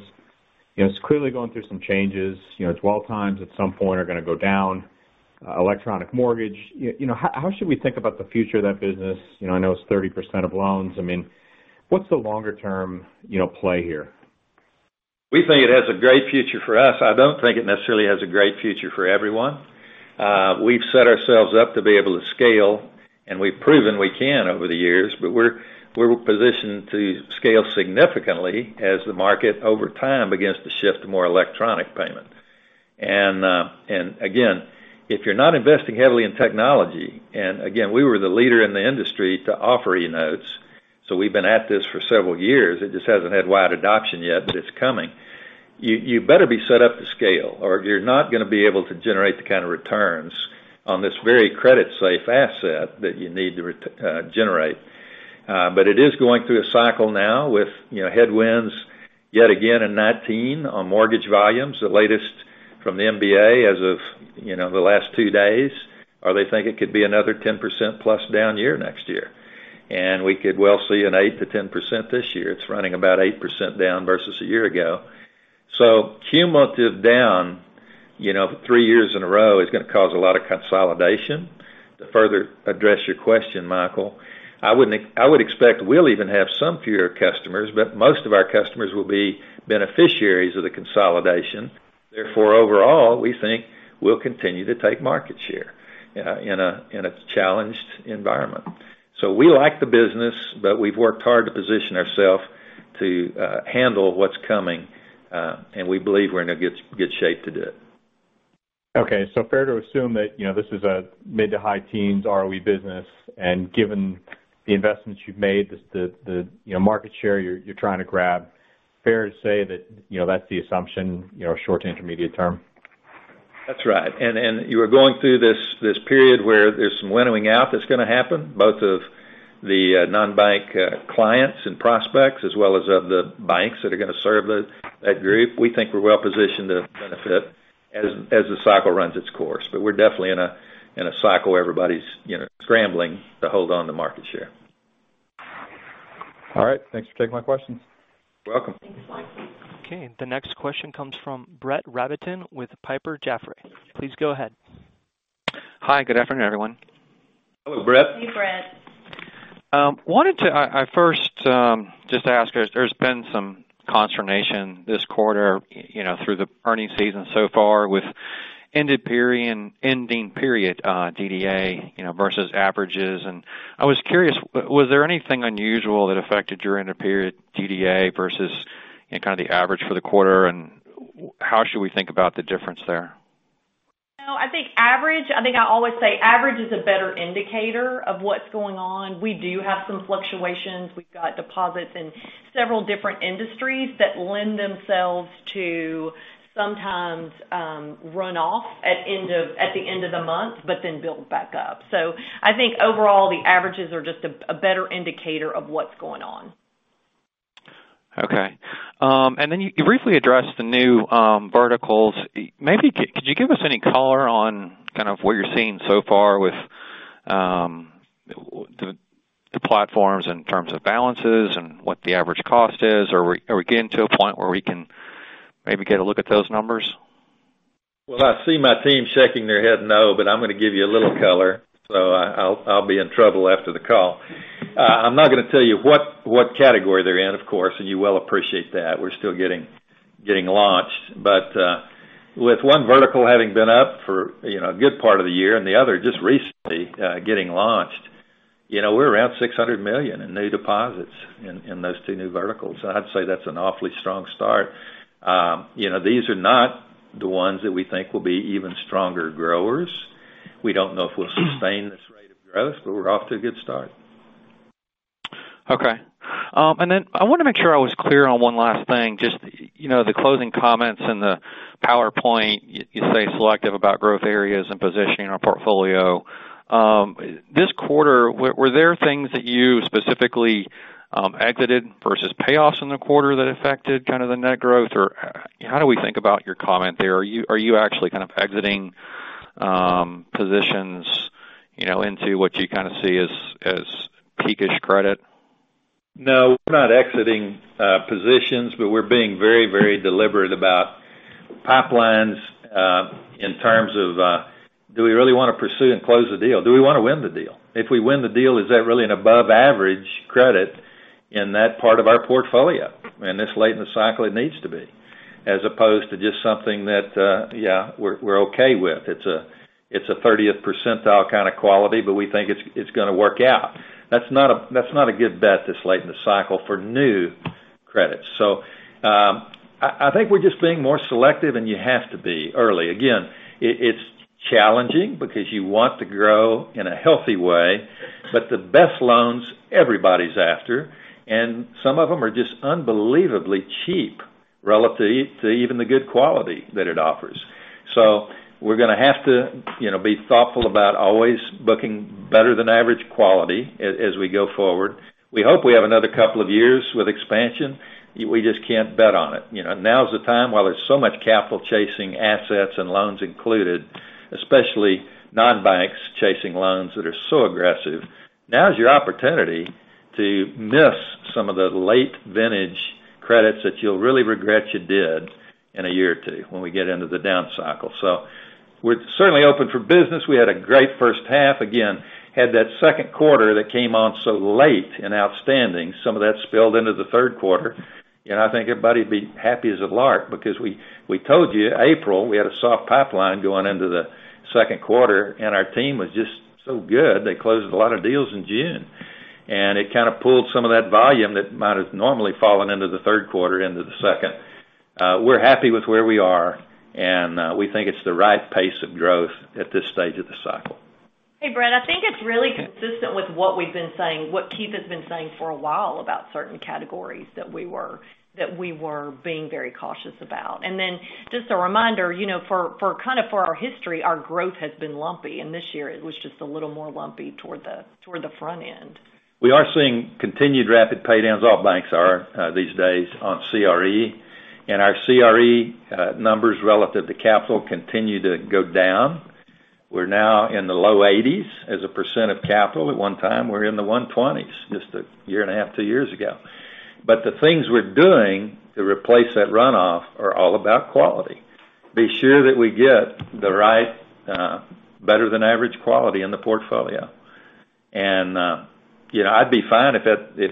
Speaker 8: It's clearly going through some changes. Its turn times at some point are going to go down. Electronic mortgage. How should we think about the future of that business? I know it's 30% of loans. What's the longer term play here?
Speaker 3: We think it has a great future for us. I don't think it necessarily has a great future for everyone. We've set ourselves up to be able to scale, and we've proven we can over the years, but we're positioned to scale significantly as the market over time begins to shift to more electronic payment. Again, if you're not investing heavily in technology, again, we were the leader in the industry to offer eNotes, so we've been at this for several years. It just hasn't had wide adoption yet, but it's coming. You better be set up to scale, or you're not going to be able to generate the kind of returns on this very credit-safe asset that you need to generate. It is going through a cycle now with headwinds yet again in 2019 on mortgage volumes. The latest from the MBA as of the last two days, they think it could be another 10%+ down year next year. We could well see an 8%-10% this year. It's running about 8% down versus a year ago. Cumulative down three years in a row is going to cause a lot of consolidation. To further address your question, Michael, I would expect we'll even have some fewer customers, but most of our customers will be beneficiaries of the consolidation. Therefore, overall, we think we'll continue to take market share in a challenged environment. We like the business, but we've worked hard to position ourself to handle what's coming, and we believe we're in a good shape to do it.
Speaker 8: Okay, fair to assume that this is a mid to high teens ROE business, and given the investments you've made, the market share you're trying to grab, fair to say that's the assumption short to intermediate term?
Speaker 3: That's right. You are going through this period where there's some winnowing out that's going to happen, both of the non-bank clients and prospects, as well as of the banks that are going to serve that group. We think we're well positioned to benefit as the cycle runs its course. We're definitely in a cycle where everybody's scrambling to hold on to market share.
Speaker 8: All right. Thanks for taking my questions.
Speaker 4: You're welcome. Thanks, Michael.
Speaker 1: Okay. The next question comes from Brett Rabatin with Piper Jaffray. Please go ahead.
Speaker 9: Hi, good afternoon, everyone.
Speaker 3: Hello, Brett.
Speaker 4: Hey, Brett.
Speaker 9: Wanted to first just ask, there's been some consternation this quarter through the earnings season so far with ending period DDA versus averages. I was curious, was there anything unusual that affected your end of period DDA versus kind of the average for the quarter? How should we think about the difference there?
Speaker 4: No, I think average. I always say average is a better indicator of what's going on. We do have some fluctuations. We've got deposits in several different industries that lend themselves to sometimes run off at the end of the month, but then build back up. I think overall, the averages are just a better indicator of what's going on.
Speaker 9: Okay. Then you briefly addressed the new verticals. Maybe could you give us any color on kind of what you're seeing so far with the platforms in terms of balances and what the average cost is? Are we getting to a point where we can maybe get a look at those numbers?
Speaker 3: Well, I see my team shaking their head no, but I'm going to give you a little color, so I'll be in trouble after the call. I'm not going to tell you what category they're in, of course, and you well appreciate that. We're still getting launched. With one vertical having been up for a good part of the year and the other just recently getting launched, we're around $600 million in new deposits in those two new verticals. I'd say that's an awfully strong start. These are not the ones that we think will be even stronger growers. We don't know if we'll sustain this rate of growth, but we're off to a good start.
Speaker 9: Okay. I want to make sure I was clear on one last thing. Just the closing comments and the PowerPoint, you say selective about growth areas and positioning our portfolio. This quarter, were there things that you specifically exited versus payoffs in the quarter that affected kind of the net growth? Or how do we think about your comment there? Are you actually kind of exiting positions into what you kind of see as peak-ish credit?
Speaker 3: No, we're not exiting positions, but we're being very deliberate about pipelines, in terms of do we really want to pursue and close the deal? Do we want to win the deal? If we win the deal, is that really an above average credit in that part of our portfolio? And this late in the cycle, it needs to be. As opposed to just something that, yeah, we're okay with. It's a 30th percentile kind of quality, but we think it's going to work out. That's not a good bet this late in the cycle for new credits. I think we're just being more selective, and you have to be early. Again, it's challenging because you want to grow in a healthy way, but the best loans, everybody's after, and some of them are just unbelievably cheap relative to even the good quality that it offers. We're going to have to be thoughtful about always looking better than average quality as we go forward. We hope we have another couple of years with expansion. We just can't bet on it. Now's the time while there's so much capital chasing assets and loans included, especially non-banks chasing loans that are so aggressive. Now's your opportunity to miss some of the late vintage credits that you'll really regret you did in a year or two when we get into the down cycle. We're certainly open for business. We had a great first half. Again, had that second quarter that came on so late and outstanding. Some of that spilled into the third quarter, and I think everybody'd be happy as a lark because we told you April we had a soft pipeline going into the second quarter, and our team was just so good. They closed a lot of deals in June, and it kind of pulled some of that volume that might have normally fallen into the third quarter into the second. We're happy with where we are, and we think it's the right pace of growth at this stage of the cycle.
Speaker 4: Hey, Brett, I think it's really consistent with what we've been saying, what Keith has been saying for a while about certain categories that we were being very cautious about. Just a reminder, kind of for our history, our growth has been lumpy, and this year it was just a little more lumpy toward the front end.
Speaker 3: We are seeing continued rapid pay downs. All banks are these days on CRE. Our CRE numbers relative to capital continue to go down. We're now in the low 80s as a % of capital. At one time, we were in the 120s, just a year and a half, two years ago. The things we're doing to replace that runoff are all about quality. Be sure that we get the right, better-than-average quality in the portfolio. I'd be fine if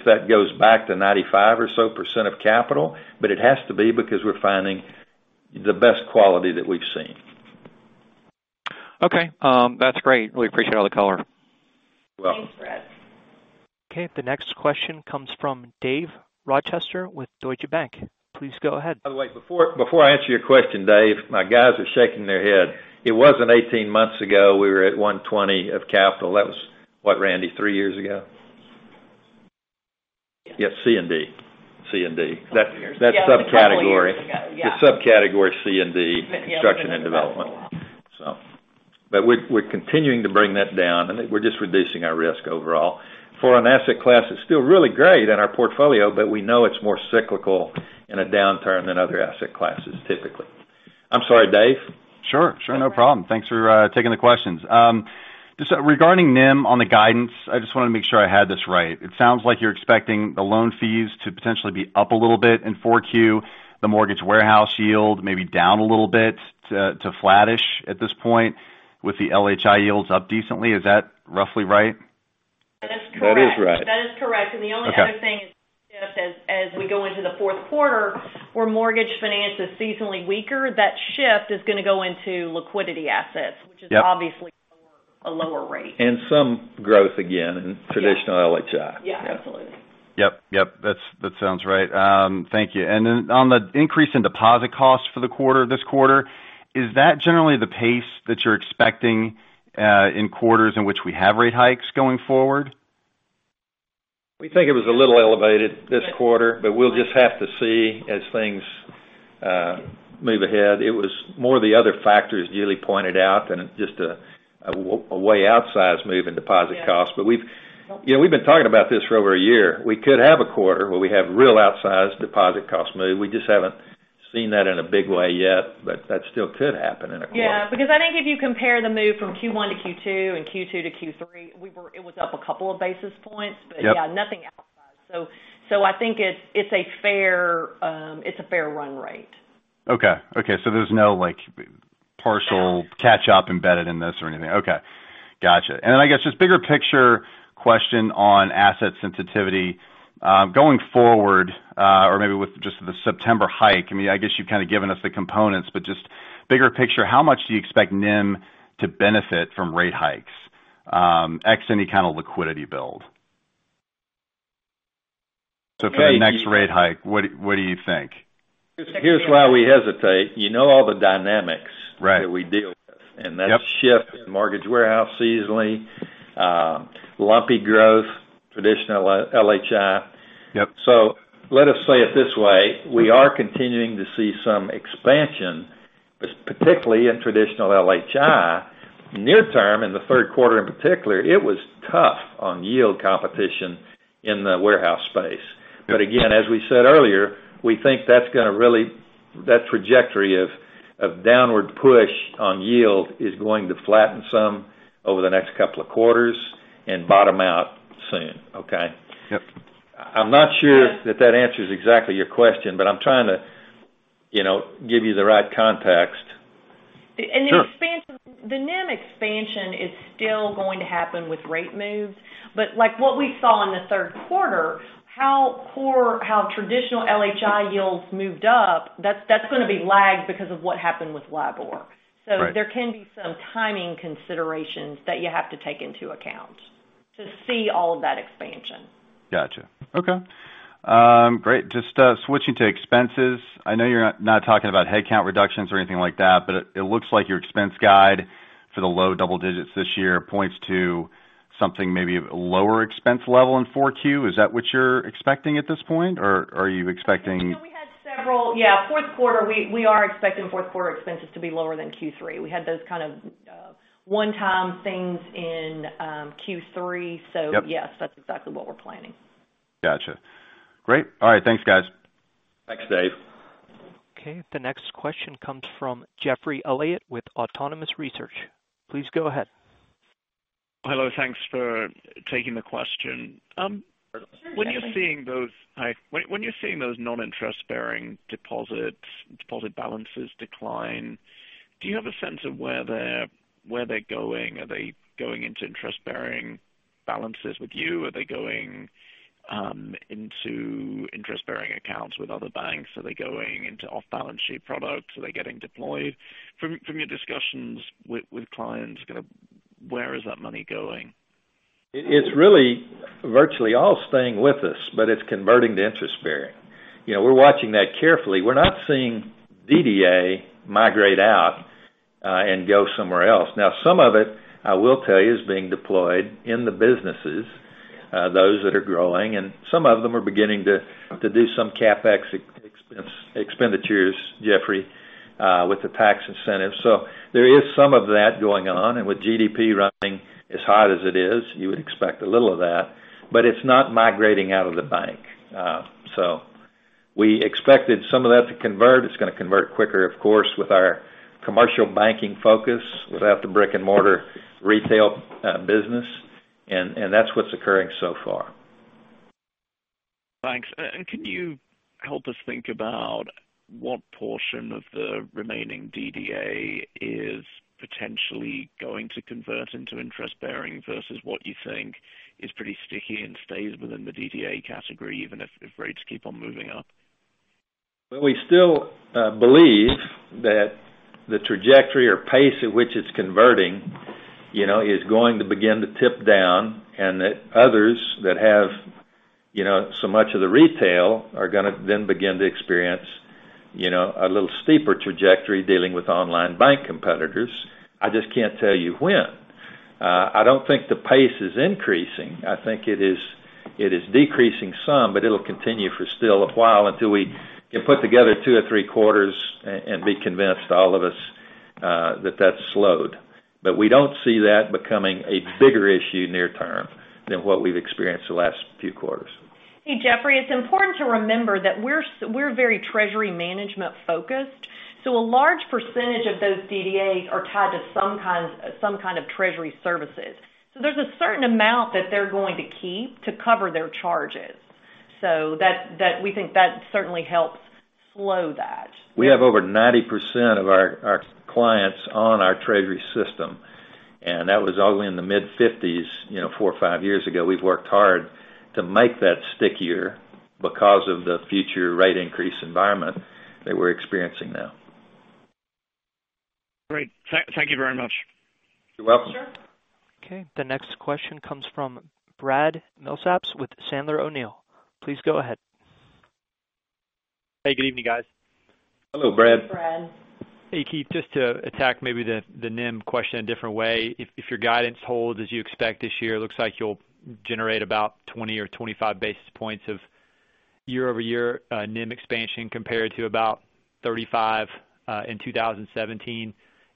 Speaker 3: that goes back to 95 or so % of capital, it has to be because we're finding the best quality that we've seen.
Speaker 9: Okay. That's great. Really appreciate all the color.
Speaker 3: You're welcome.
Speaker 4: Thanks, Brad.
Speaker 1: Okay. The next question comes from David Rochester with Deutsche Bank. Please go ahead.
Speaker 3: By the way, before I answer your question, Dave, my guys are shaking their head. It wasn't 18 months ago we were at 120 of capital. That was, what, Randy, three years ago? Yes, C and D. C and D.
Speaker 4: Couple years ago. Yeah.
Speaker 3: That subcategory.
Speaker 4: A couple years ago, yeah.
Speaker 3: The subcategory C&D-
Speaker 4: Yes.
Speaker 3: Construction and Development. We're continuing to bring that down, and we're just reducing our risk overall. For an asset class, it's still really great in our portfolio, but we know it's more cyclical in a downturn than other asset classes, typically. I'm sorry, Dave?
Speaker 10: Sure. No problem. Thanks for taking the questions. Regarding NIM on the guidance, I just wanted to make sure I had this right. It sounds like you're expecting the loan fees to potentially be up a little bit in 4Q, the mortgage warehouse yield maybe down a little bit to flattish at this point, with the LHI yields up decently. Is that roughly right?
Speaker 4: That is correct.
Speaker 3: That is right.
Speaker 4: That is correct.
Speaker 10: Okay.
Speaker 4: The only other thing is as we go into the fourth quarter where mortgage finance is seasonally weaker, that shift is going to go into liquidity assets.
Speaker 10: Yep.
Speaker 4: Which is obviously a lower rate.
Speaker 3: Some growth again in.
Speaker 4: Yes
Speaker 3: traditional LHI.
Speaker 4: Yeah, absolutely.
Speaker 10: That sounds right. Thank you. On the increase in deposit costs for the quarter, this quarter, is that generally the pace that you're expecting, in quarters in which we have rate hikes going forward?
Speaker 3: We think it was a little elevated this quarter, we'll just have to see as things move ahead. It was more the other factors Julie pointed out than just a way outsized move in deposit costs.
Speaker 4: Yeah.
Speaker 3: We've been talking about this for over a year. We could have a quarter where we have real outsized deposit costs move. We just haven't seen that in a big way yet, that still could happen in a quarter.
Speaker 4: Yeah, I think if you compare the move from Q1 to Q2 and Q2 to Q3, it was up a couple of basis points.
Speaker 3: Yep.
Speaker 4: Yeah, nothing outsized. I think it's a fair run rate.
Speaker 10: Okay. There's no partial catch up embedded in this or anything. Okay, gotcha. Then, I guess, just bigger picture question on asset sensitivity. Going forward, or maybe with just the September hike, I guess you've kind of given us the components, but just bigger picture, how much do you expect NIM to benefit from rate hikes, ex any kind of liquidity build? For the next rate hike, what do you think?
Speaker 3: Here's why we hesitate. You know all the dynamics.
Speaker 10: Right
Speaker 3: that we deal with.
Speaker 10: Yep.
Speaker 3: That shift in mortgage warehouse seasonally, lumpy growth, traditional LHI.
Speaker 10: Yep.
Speaker 3: Let us say it this way, we are continuing to see some expansion, particularly in traditional LHI. Near term, in the third quarter in particular, it was tough on yield competition in the warehouse space.
Speaker 10: Yep.
Speaker 3: Again, as we said earlier, we think that trajectory of downward push on yield is going to flatten some over the next couple of quarters and bottom out soon. Okay?
Speaker 10: Yep.
Speaker 3: I'm not sure that answers exactly your question, but I'm trying to give you the right context.
Speaker 10: Sure.
Speaker 4: The NIM expansion is still going to happen with rate moves, but like what we saw in the third quarter, how traditional LHI yields moved up, that's going to be lagged because of what happened with LIBOR.
Speaker 10: Right.
Speaker 4: There can be some timing considerations that you have to take into account to see all of that expansion.
Speaker 10: Gotcha. Okay. Great. Just switching to expenses. I know you're not talking about headcount reductions or anything like that, but it looks like your expense guide for the low double digits this year points to something maybe lower expense level in 4Q. Is that what you're expecting at this point?
Speaker 4: Fourth quarter, we are expecting fourth quarter expenses to be lower than Q3. We had those kind of one-time things in Q3.
Speaker 10: Yep.
Speaker 4: Yes, that's exactly what we're planning.
Speaker 10: Gotcha. Great. All right, thanks guys.
Speaker 3: Thanks, Dave.
Speaker 1: Okay, the next question comes from Geoffrey Elliott with Autonomous Research. Please go ahead.
Speaker 11: Hello, thanks for taking the question.
Speaker 4: Sure.
Speaker 11: When you're seeing those non-interest-bearing deposit balances decline, do you have a sense of where they're going? Are they going into interest-bearing balances with you? Are they going into interest-bearing accounts with other banks? Are they going into off-balance sheet products? Are they getting deployed? From your discussions with clients, kind of where is that money going?
Speaker 3: It's really virtually all staying with us. It's converting to interest bearing. We're watching that carefully. We're not seeing DDA migrate out, and go somewhere else. Now, some of it, I will tell you, is being deployed in the businesses, those that are growing, and some of them are beginning to do some CapEx expenditures, Geoffrey. With the tax incentives. There is some of that going on, and with GDP running as hot as it is, you would expect a little of that. It's not migrating out of the bank. We expected some of that to convert. It's going to convert quicker, of course, with our commercial banking focus, without the brick and mortar retail business. That's what's occurring so far.
Speaker 11: Thanks. Can you help us think about what portion of the remaining DDA is potentially going to convert into interest bearing versus what you think is pretty sticky and stays within the DDA category, even if rates keep on moving up?
Speaker 3: Well, we still believe that the trajectory or pace at which it's converting is going to begin to tip down, that others that have so much of the retail are going to then begin to experience a little steeper trajectory dealing with online bank competitors. I just can't tell you when. I don't think the pace is increasing. I think it is decreasing some, but it'll continue for still a while until we can put together two or three quarters and be convinced, all of us, that that's slowed. We don't see that becoming a bigger issue near term than what we've experienced the last few quarters.
Speaker 4: Hey, Geoffrey, it's important to remember that we're very treasury management focused, a large percentage of those DDAs are tied to some kind of treasury services. There's a certain amount that they're going to keep to cover their charges. We think that certainly helps slow that.
Speaker 3: We have over 90% of our clients on our treasury system, that was only in the mid 50s four or five years ago. We've worked hard to make that stickier because of the future rate increase environment that we're experiencing now.
Speaker 11: Great. Thank you very much.
Speaker 3: You're welcome.
Speaker 4: Sure.
Speaker 1: Okay. The next question comes from Brad Milsaps with Sandler O'Neill. Please go ahead.
Speaker 12: Hey, good evening, guys.
Speaker 3: Hello, Brad.
Speaker 4: Hey, Brad.
Speaker 12: Hey, Keith, just to attack maybe the NIM question a different way. If your guidance holds as you expect this year, it looks like you'll generate about 20 or 25 basis points of year-over-year NIM expansion compared to about 35 in 2017.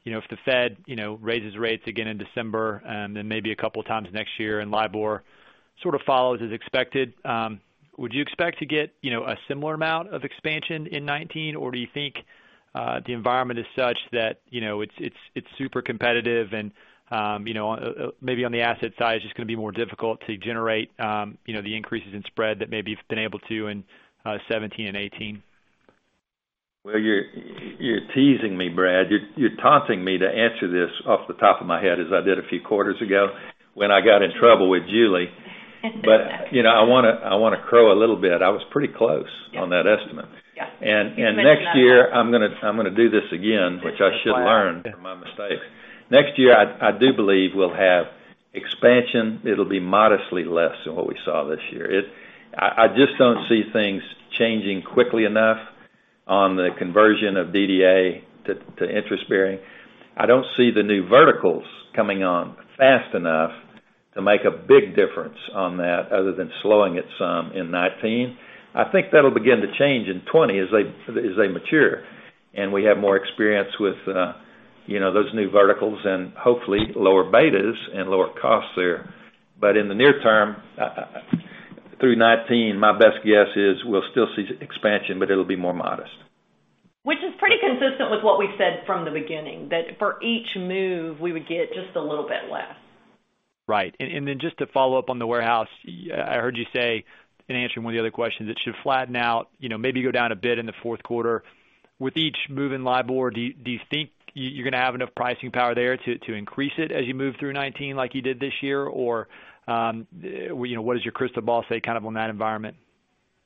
Speaker 12: If the Fed raises rates again in December and then maybe a couple times next year and LIBOR sort of follows as expected, would you expect to get a similar amount of expansion in 2019? Do you think the environment is such that it's super competitive and maybe on the asset side, it's just going to be more difficult to generate the increases in spread that maybe you've been able to in 2017 and 2018?
Speaker 3: You're teasing me, Brad. You're taunting me to answer this off the top of my head as I did a few quarters ago when I got in trouble with Julie. I want to crow a little bit. I was pretty close on that estimate.
Speaker 4: Yes.
Speaker 3: Next year, I'm going to do this again, which I should learn from my mistakes. Next year, I do believe we'll have expansion. It'll be modestly less than what we saw this year. I just don't see things changing quickly enough on the conversion of DDA to interest bearing. I don't see the new verticals coming on fast enough to make a big difference on that other than slowing it some in 2019. I think that'll begin to change in 2020 as they mature and we have more experience with those new verticals and hopefully lower betas and lower costs there. In the near term through 2019, my best guess is we'll still see expansion, but it'll be more modest.
Speaker 4: Which is pretty consistent with what we said from the beginning, that for each move, we would get just a little bit less.
Speaker 12: Right. Just to follow up on the warehouse, I heard you say in answering one of the other questions, it should flatten out, maybe go down a bit in the fourth quarter. With each move in LIBOR, do you think you're going to have enough pricing power there to increase it as you move through 2019 like you did this year? What does your crystal ball say kind of on that environment?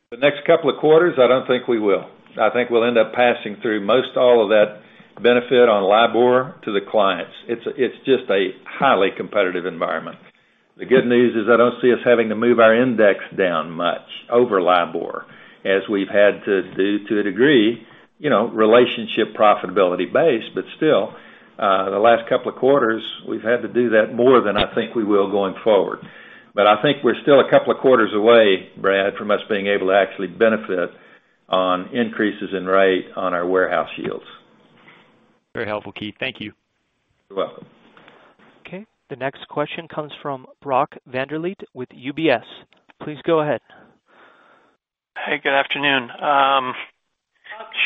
Speaker 3: The next couple of quarters, I don't think we will. I think we'll end up passing through most all of that benefit on LIBOR to the clients. It's just a highly competitive environment. The good news is I don't see us having to move our index down much over LIBOR, as we've had to do to a degree, relationship profitability base. Still, the last couple of quarters, we've had to do that more than I think we will going forward. I think we're still a couple of quarters away, Brad, from us being able to actually benefit on increases in rate on our warehouse yields.
Speaker 12: Very helpful, Keith. Thank you.
Speaker 3: You're welcome.
Speaker 1: The next question comes from Brock Vander Leest with UBS. Please go ahead.
Speaker 13: Good afternoon.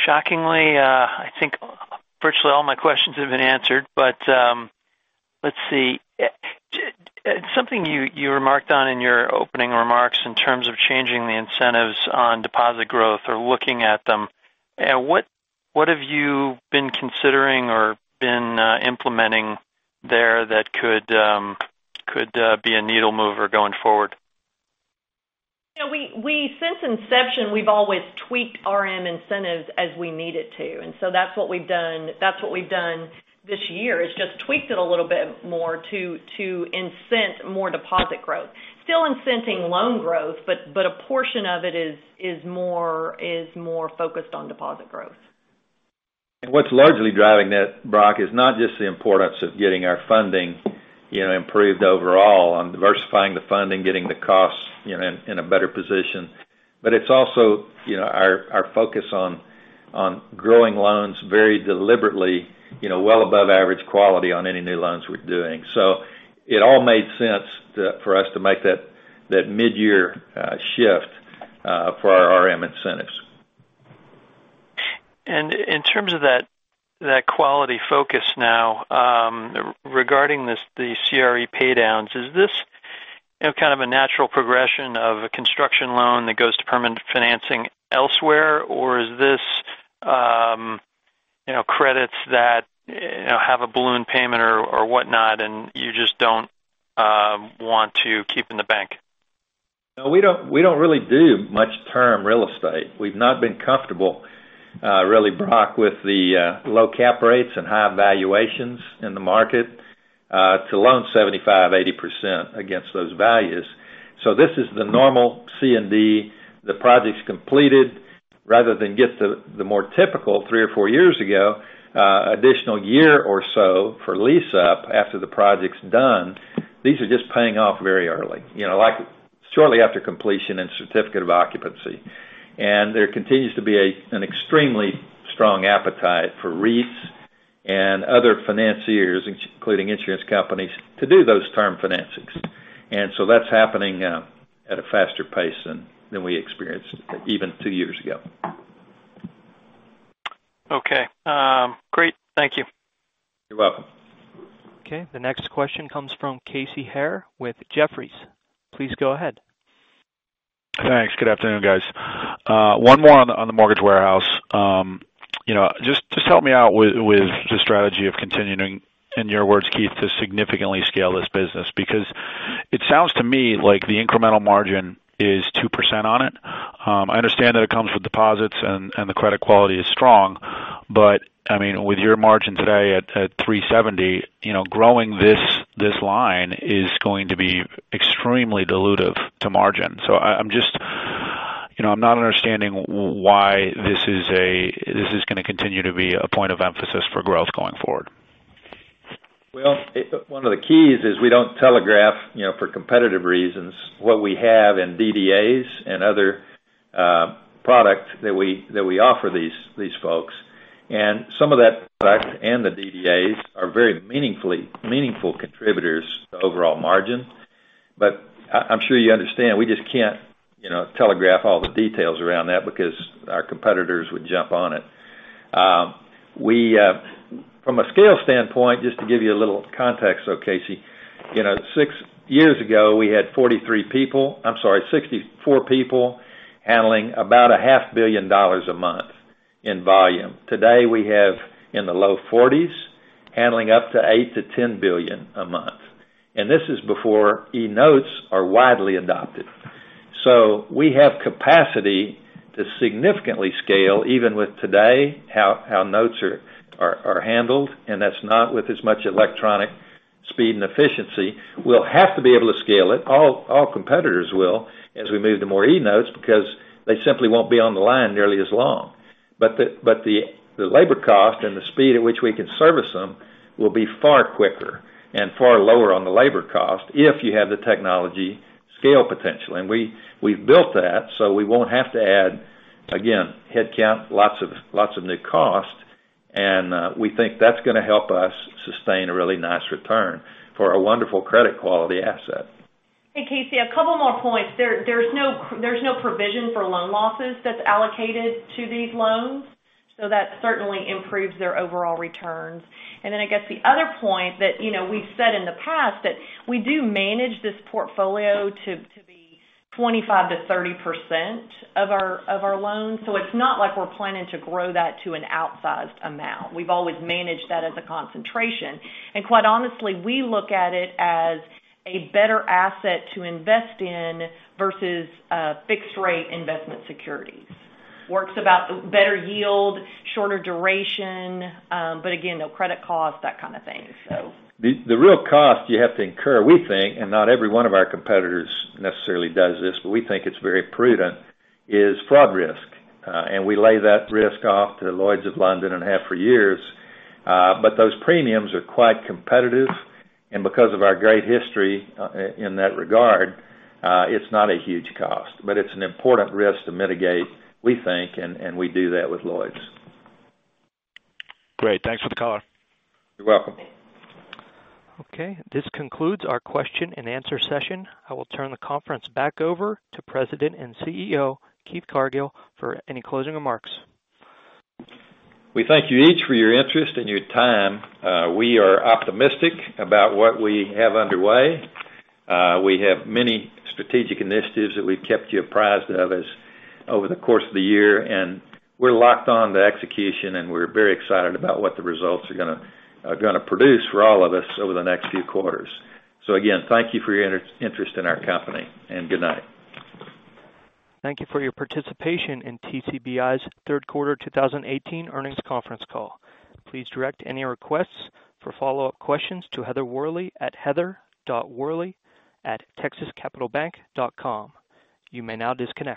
Speaker 13: Shockingly, I think virtually all my questions have been answered. Let's see. Something you remarked on in your opening remarks in terms of changing the incentives on deposit growth or looking at them. What have you been considering or been implementing there that could be a needle mover going forward?
Speaker 4: Since inception, we've always tweaked RM incentives as we needed to. That's what we've done this year, is just tweaked it a little bit more to incent more deposit growth. Still incenting loan growth, but a portion of it is more focused on deposit growth.
Speaker 3: What's largely driving that, Brock, is not just the importance of getting our funding improved overall on diversifying the funding, getting the costs in a better position. It's also our focus on growing loans very deliberately, well above average quality on any new loans we're doing. It all made sense for us to make that mid-year shift for our RM incentives.
Speaker 13: In terms of that quality focus now, regarding the CRE pay downs, is this kind of a natural progression of a construction loan that goes to permanent financing elsewhere, or is this credits that have a balloon payment or whatnot, and you just don't want to keep in the bank?
Speaker 3: No, we don't really do much term real estate. We've not been comfortable, really, Brock, with the low cap rates and high valuations in the market to loan 75%, 80% against those values. This is the normal C and D. The project's completed, rather than get to the more typical, three or four years ago, additional year or so for lease up after the project's done. These are just paying off very early, like shortly after completion and certificate of occupancy. There continues to be an extremely strong appetite for REITs and other financiers, including insurance companies, to do those term financings. That's happening at a faster pace than we experienced even two years ago.
Speaker 13: Okay. Great. Thank you.
Speaker 3: You're welcome.
Speaker 1: Okay, the next question comes from Casey Haire with Jefferies. Please go ahead.
Speaker 14: Thanks. Good afternoon, guys. One more on the mortgage warehouse. Just help me out with the strategy of continuing, in your words, Keith, to significantly scale this business, because it sounds to me like the incremental margin is 2% on it. I understand that it comes with deposits and the credit quality is strong, but, I mean, with your margin today at 370, growing this line is going to be extremely dilutive to margin. I'm not understanding why this is going to continue to be a point of emphasis for growth going forward.
Speaker 3: One of the keys is we don't telegraph, for competitive reasons, what we have in DDAs and other products that we offer these folks. Some of that product and the DDAs are very meaningful contributors to overall margin. I'm sure you understand, we just can't telegraph all the details around that because our competitors would jump on it. From a scale standpoint, just to give you a little context, though, Casey, six years ago, we had 64 people handling about a half billion dollars a month in volume. Today, we have in the low 40s, handling up to $8 billion to $10 billion a month. This is before eNotes are widely adopted. We have capacity to significantly scale, even with today, how notes are handled, and that's not with as much electronic speed and efficiency. We'll have to be able to scale it. All competitors will, as we move to more eNotes because they simply won't be on the line nearly as long. The labor cost and the speed at which we can service them will be far quicker and far lower on the labor cost if you have the technology scale potential. We've built that, so we won't have to add, again, headcount, lots of new costs, and we think that's going to help us sustain a really nice return for a wonderful credit quality asset.
Speaker 4: Hey, Casey, a couple more points. There's no provision for loan losses that's allocated to these loans, so that certainly improves their overall returns. I guess the other point that we've said in the past that we do manage this portfolio to be 25%-30% of our loans. It's not like we're planning to grow that to an outsized amount. We've always managed that as a concentration. Quite honestly, we look at it as a better asset to invest in versus fixed rate investment securities. Works about better yield, shorter duration, but again, no credit cost, that kind of thing.
Speaker 3: The real cost you have to incur, we think, and not every one of our competitors necessarily does this, but we think it's very prudent, is fraud risk. We lay that risk off to Lloyd's of London and have for years. Those premiums are quite competitive, and because of our great history in that regard, it's not a huge cost. It's an important risk to mitigate, we think, and we do that with Lloyd's.
Speaker 14: Great. Thanks for the color.
Speaker 3: You're welcome.
Speaker 1: Okay, this concludes our question and answer session. I will turn the conference back over to President and CEO, Keith Cargill, for any closing remarks.
Speaker 3: We thank you each for your interest and your time. We are optimistic about what we have underway. We have many strategic initiatives that we've kept you apprised of over the course of the year, and we're locked on to execution, and we're very excited about what the results are going to produce for all of us over the next few quarters. Again, thank you for your interest in our company, and good night.
Speaker 1: Thank you for your participation in TCBI's third quarter 2018 earnings conference call. Please direct any requests for follow-up questions to Heather Worley at heather.worley@texascapitalbank.com. You may now disconnect.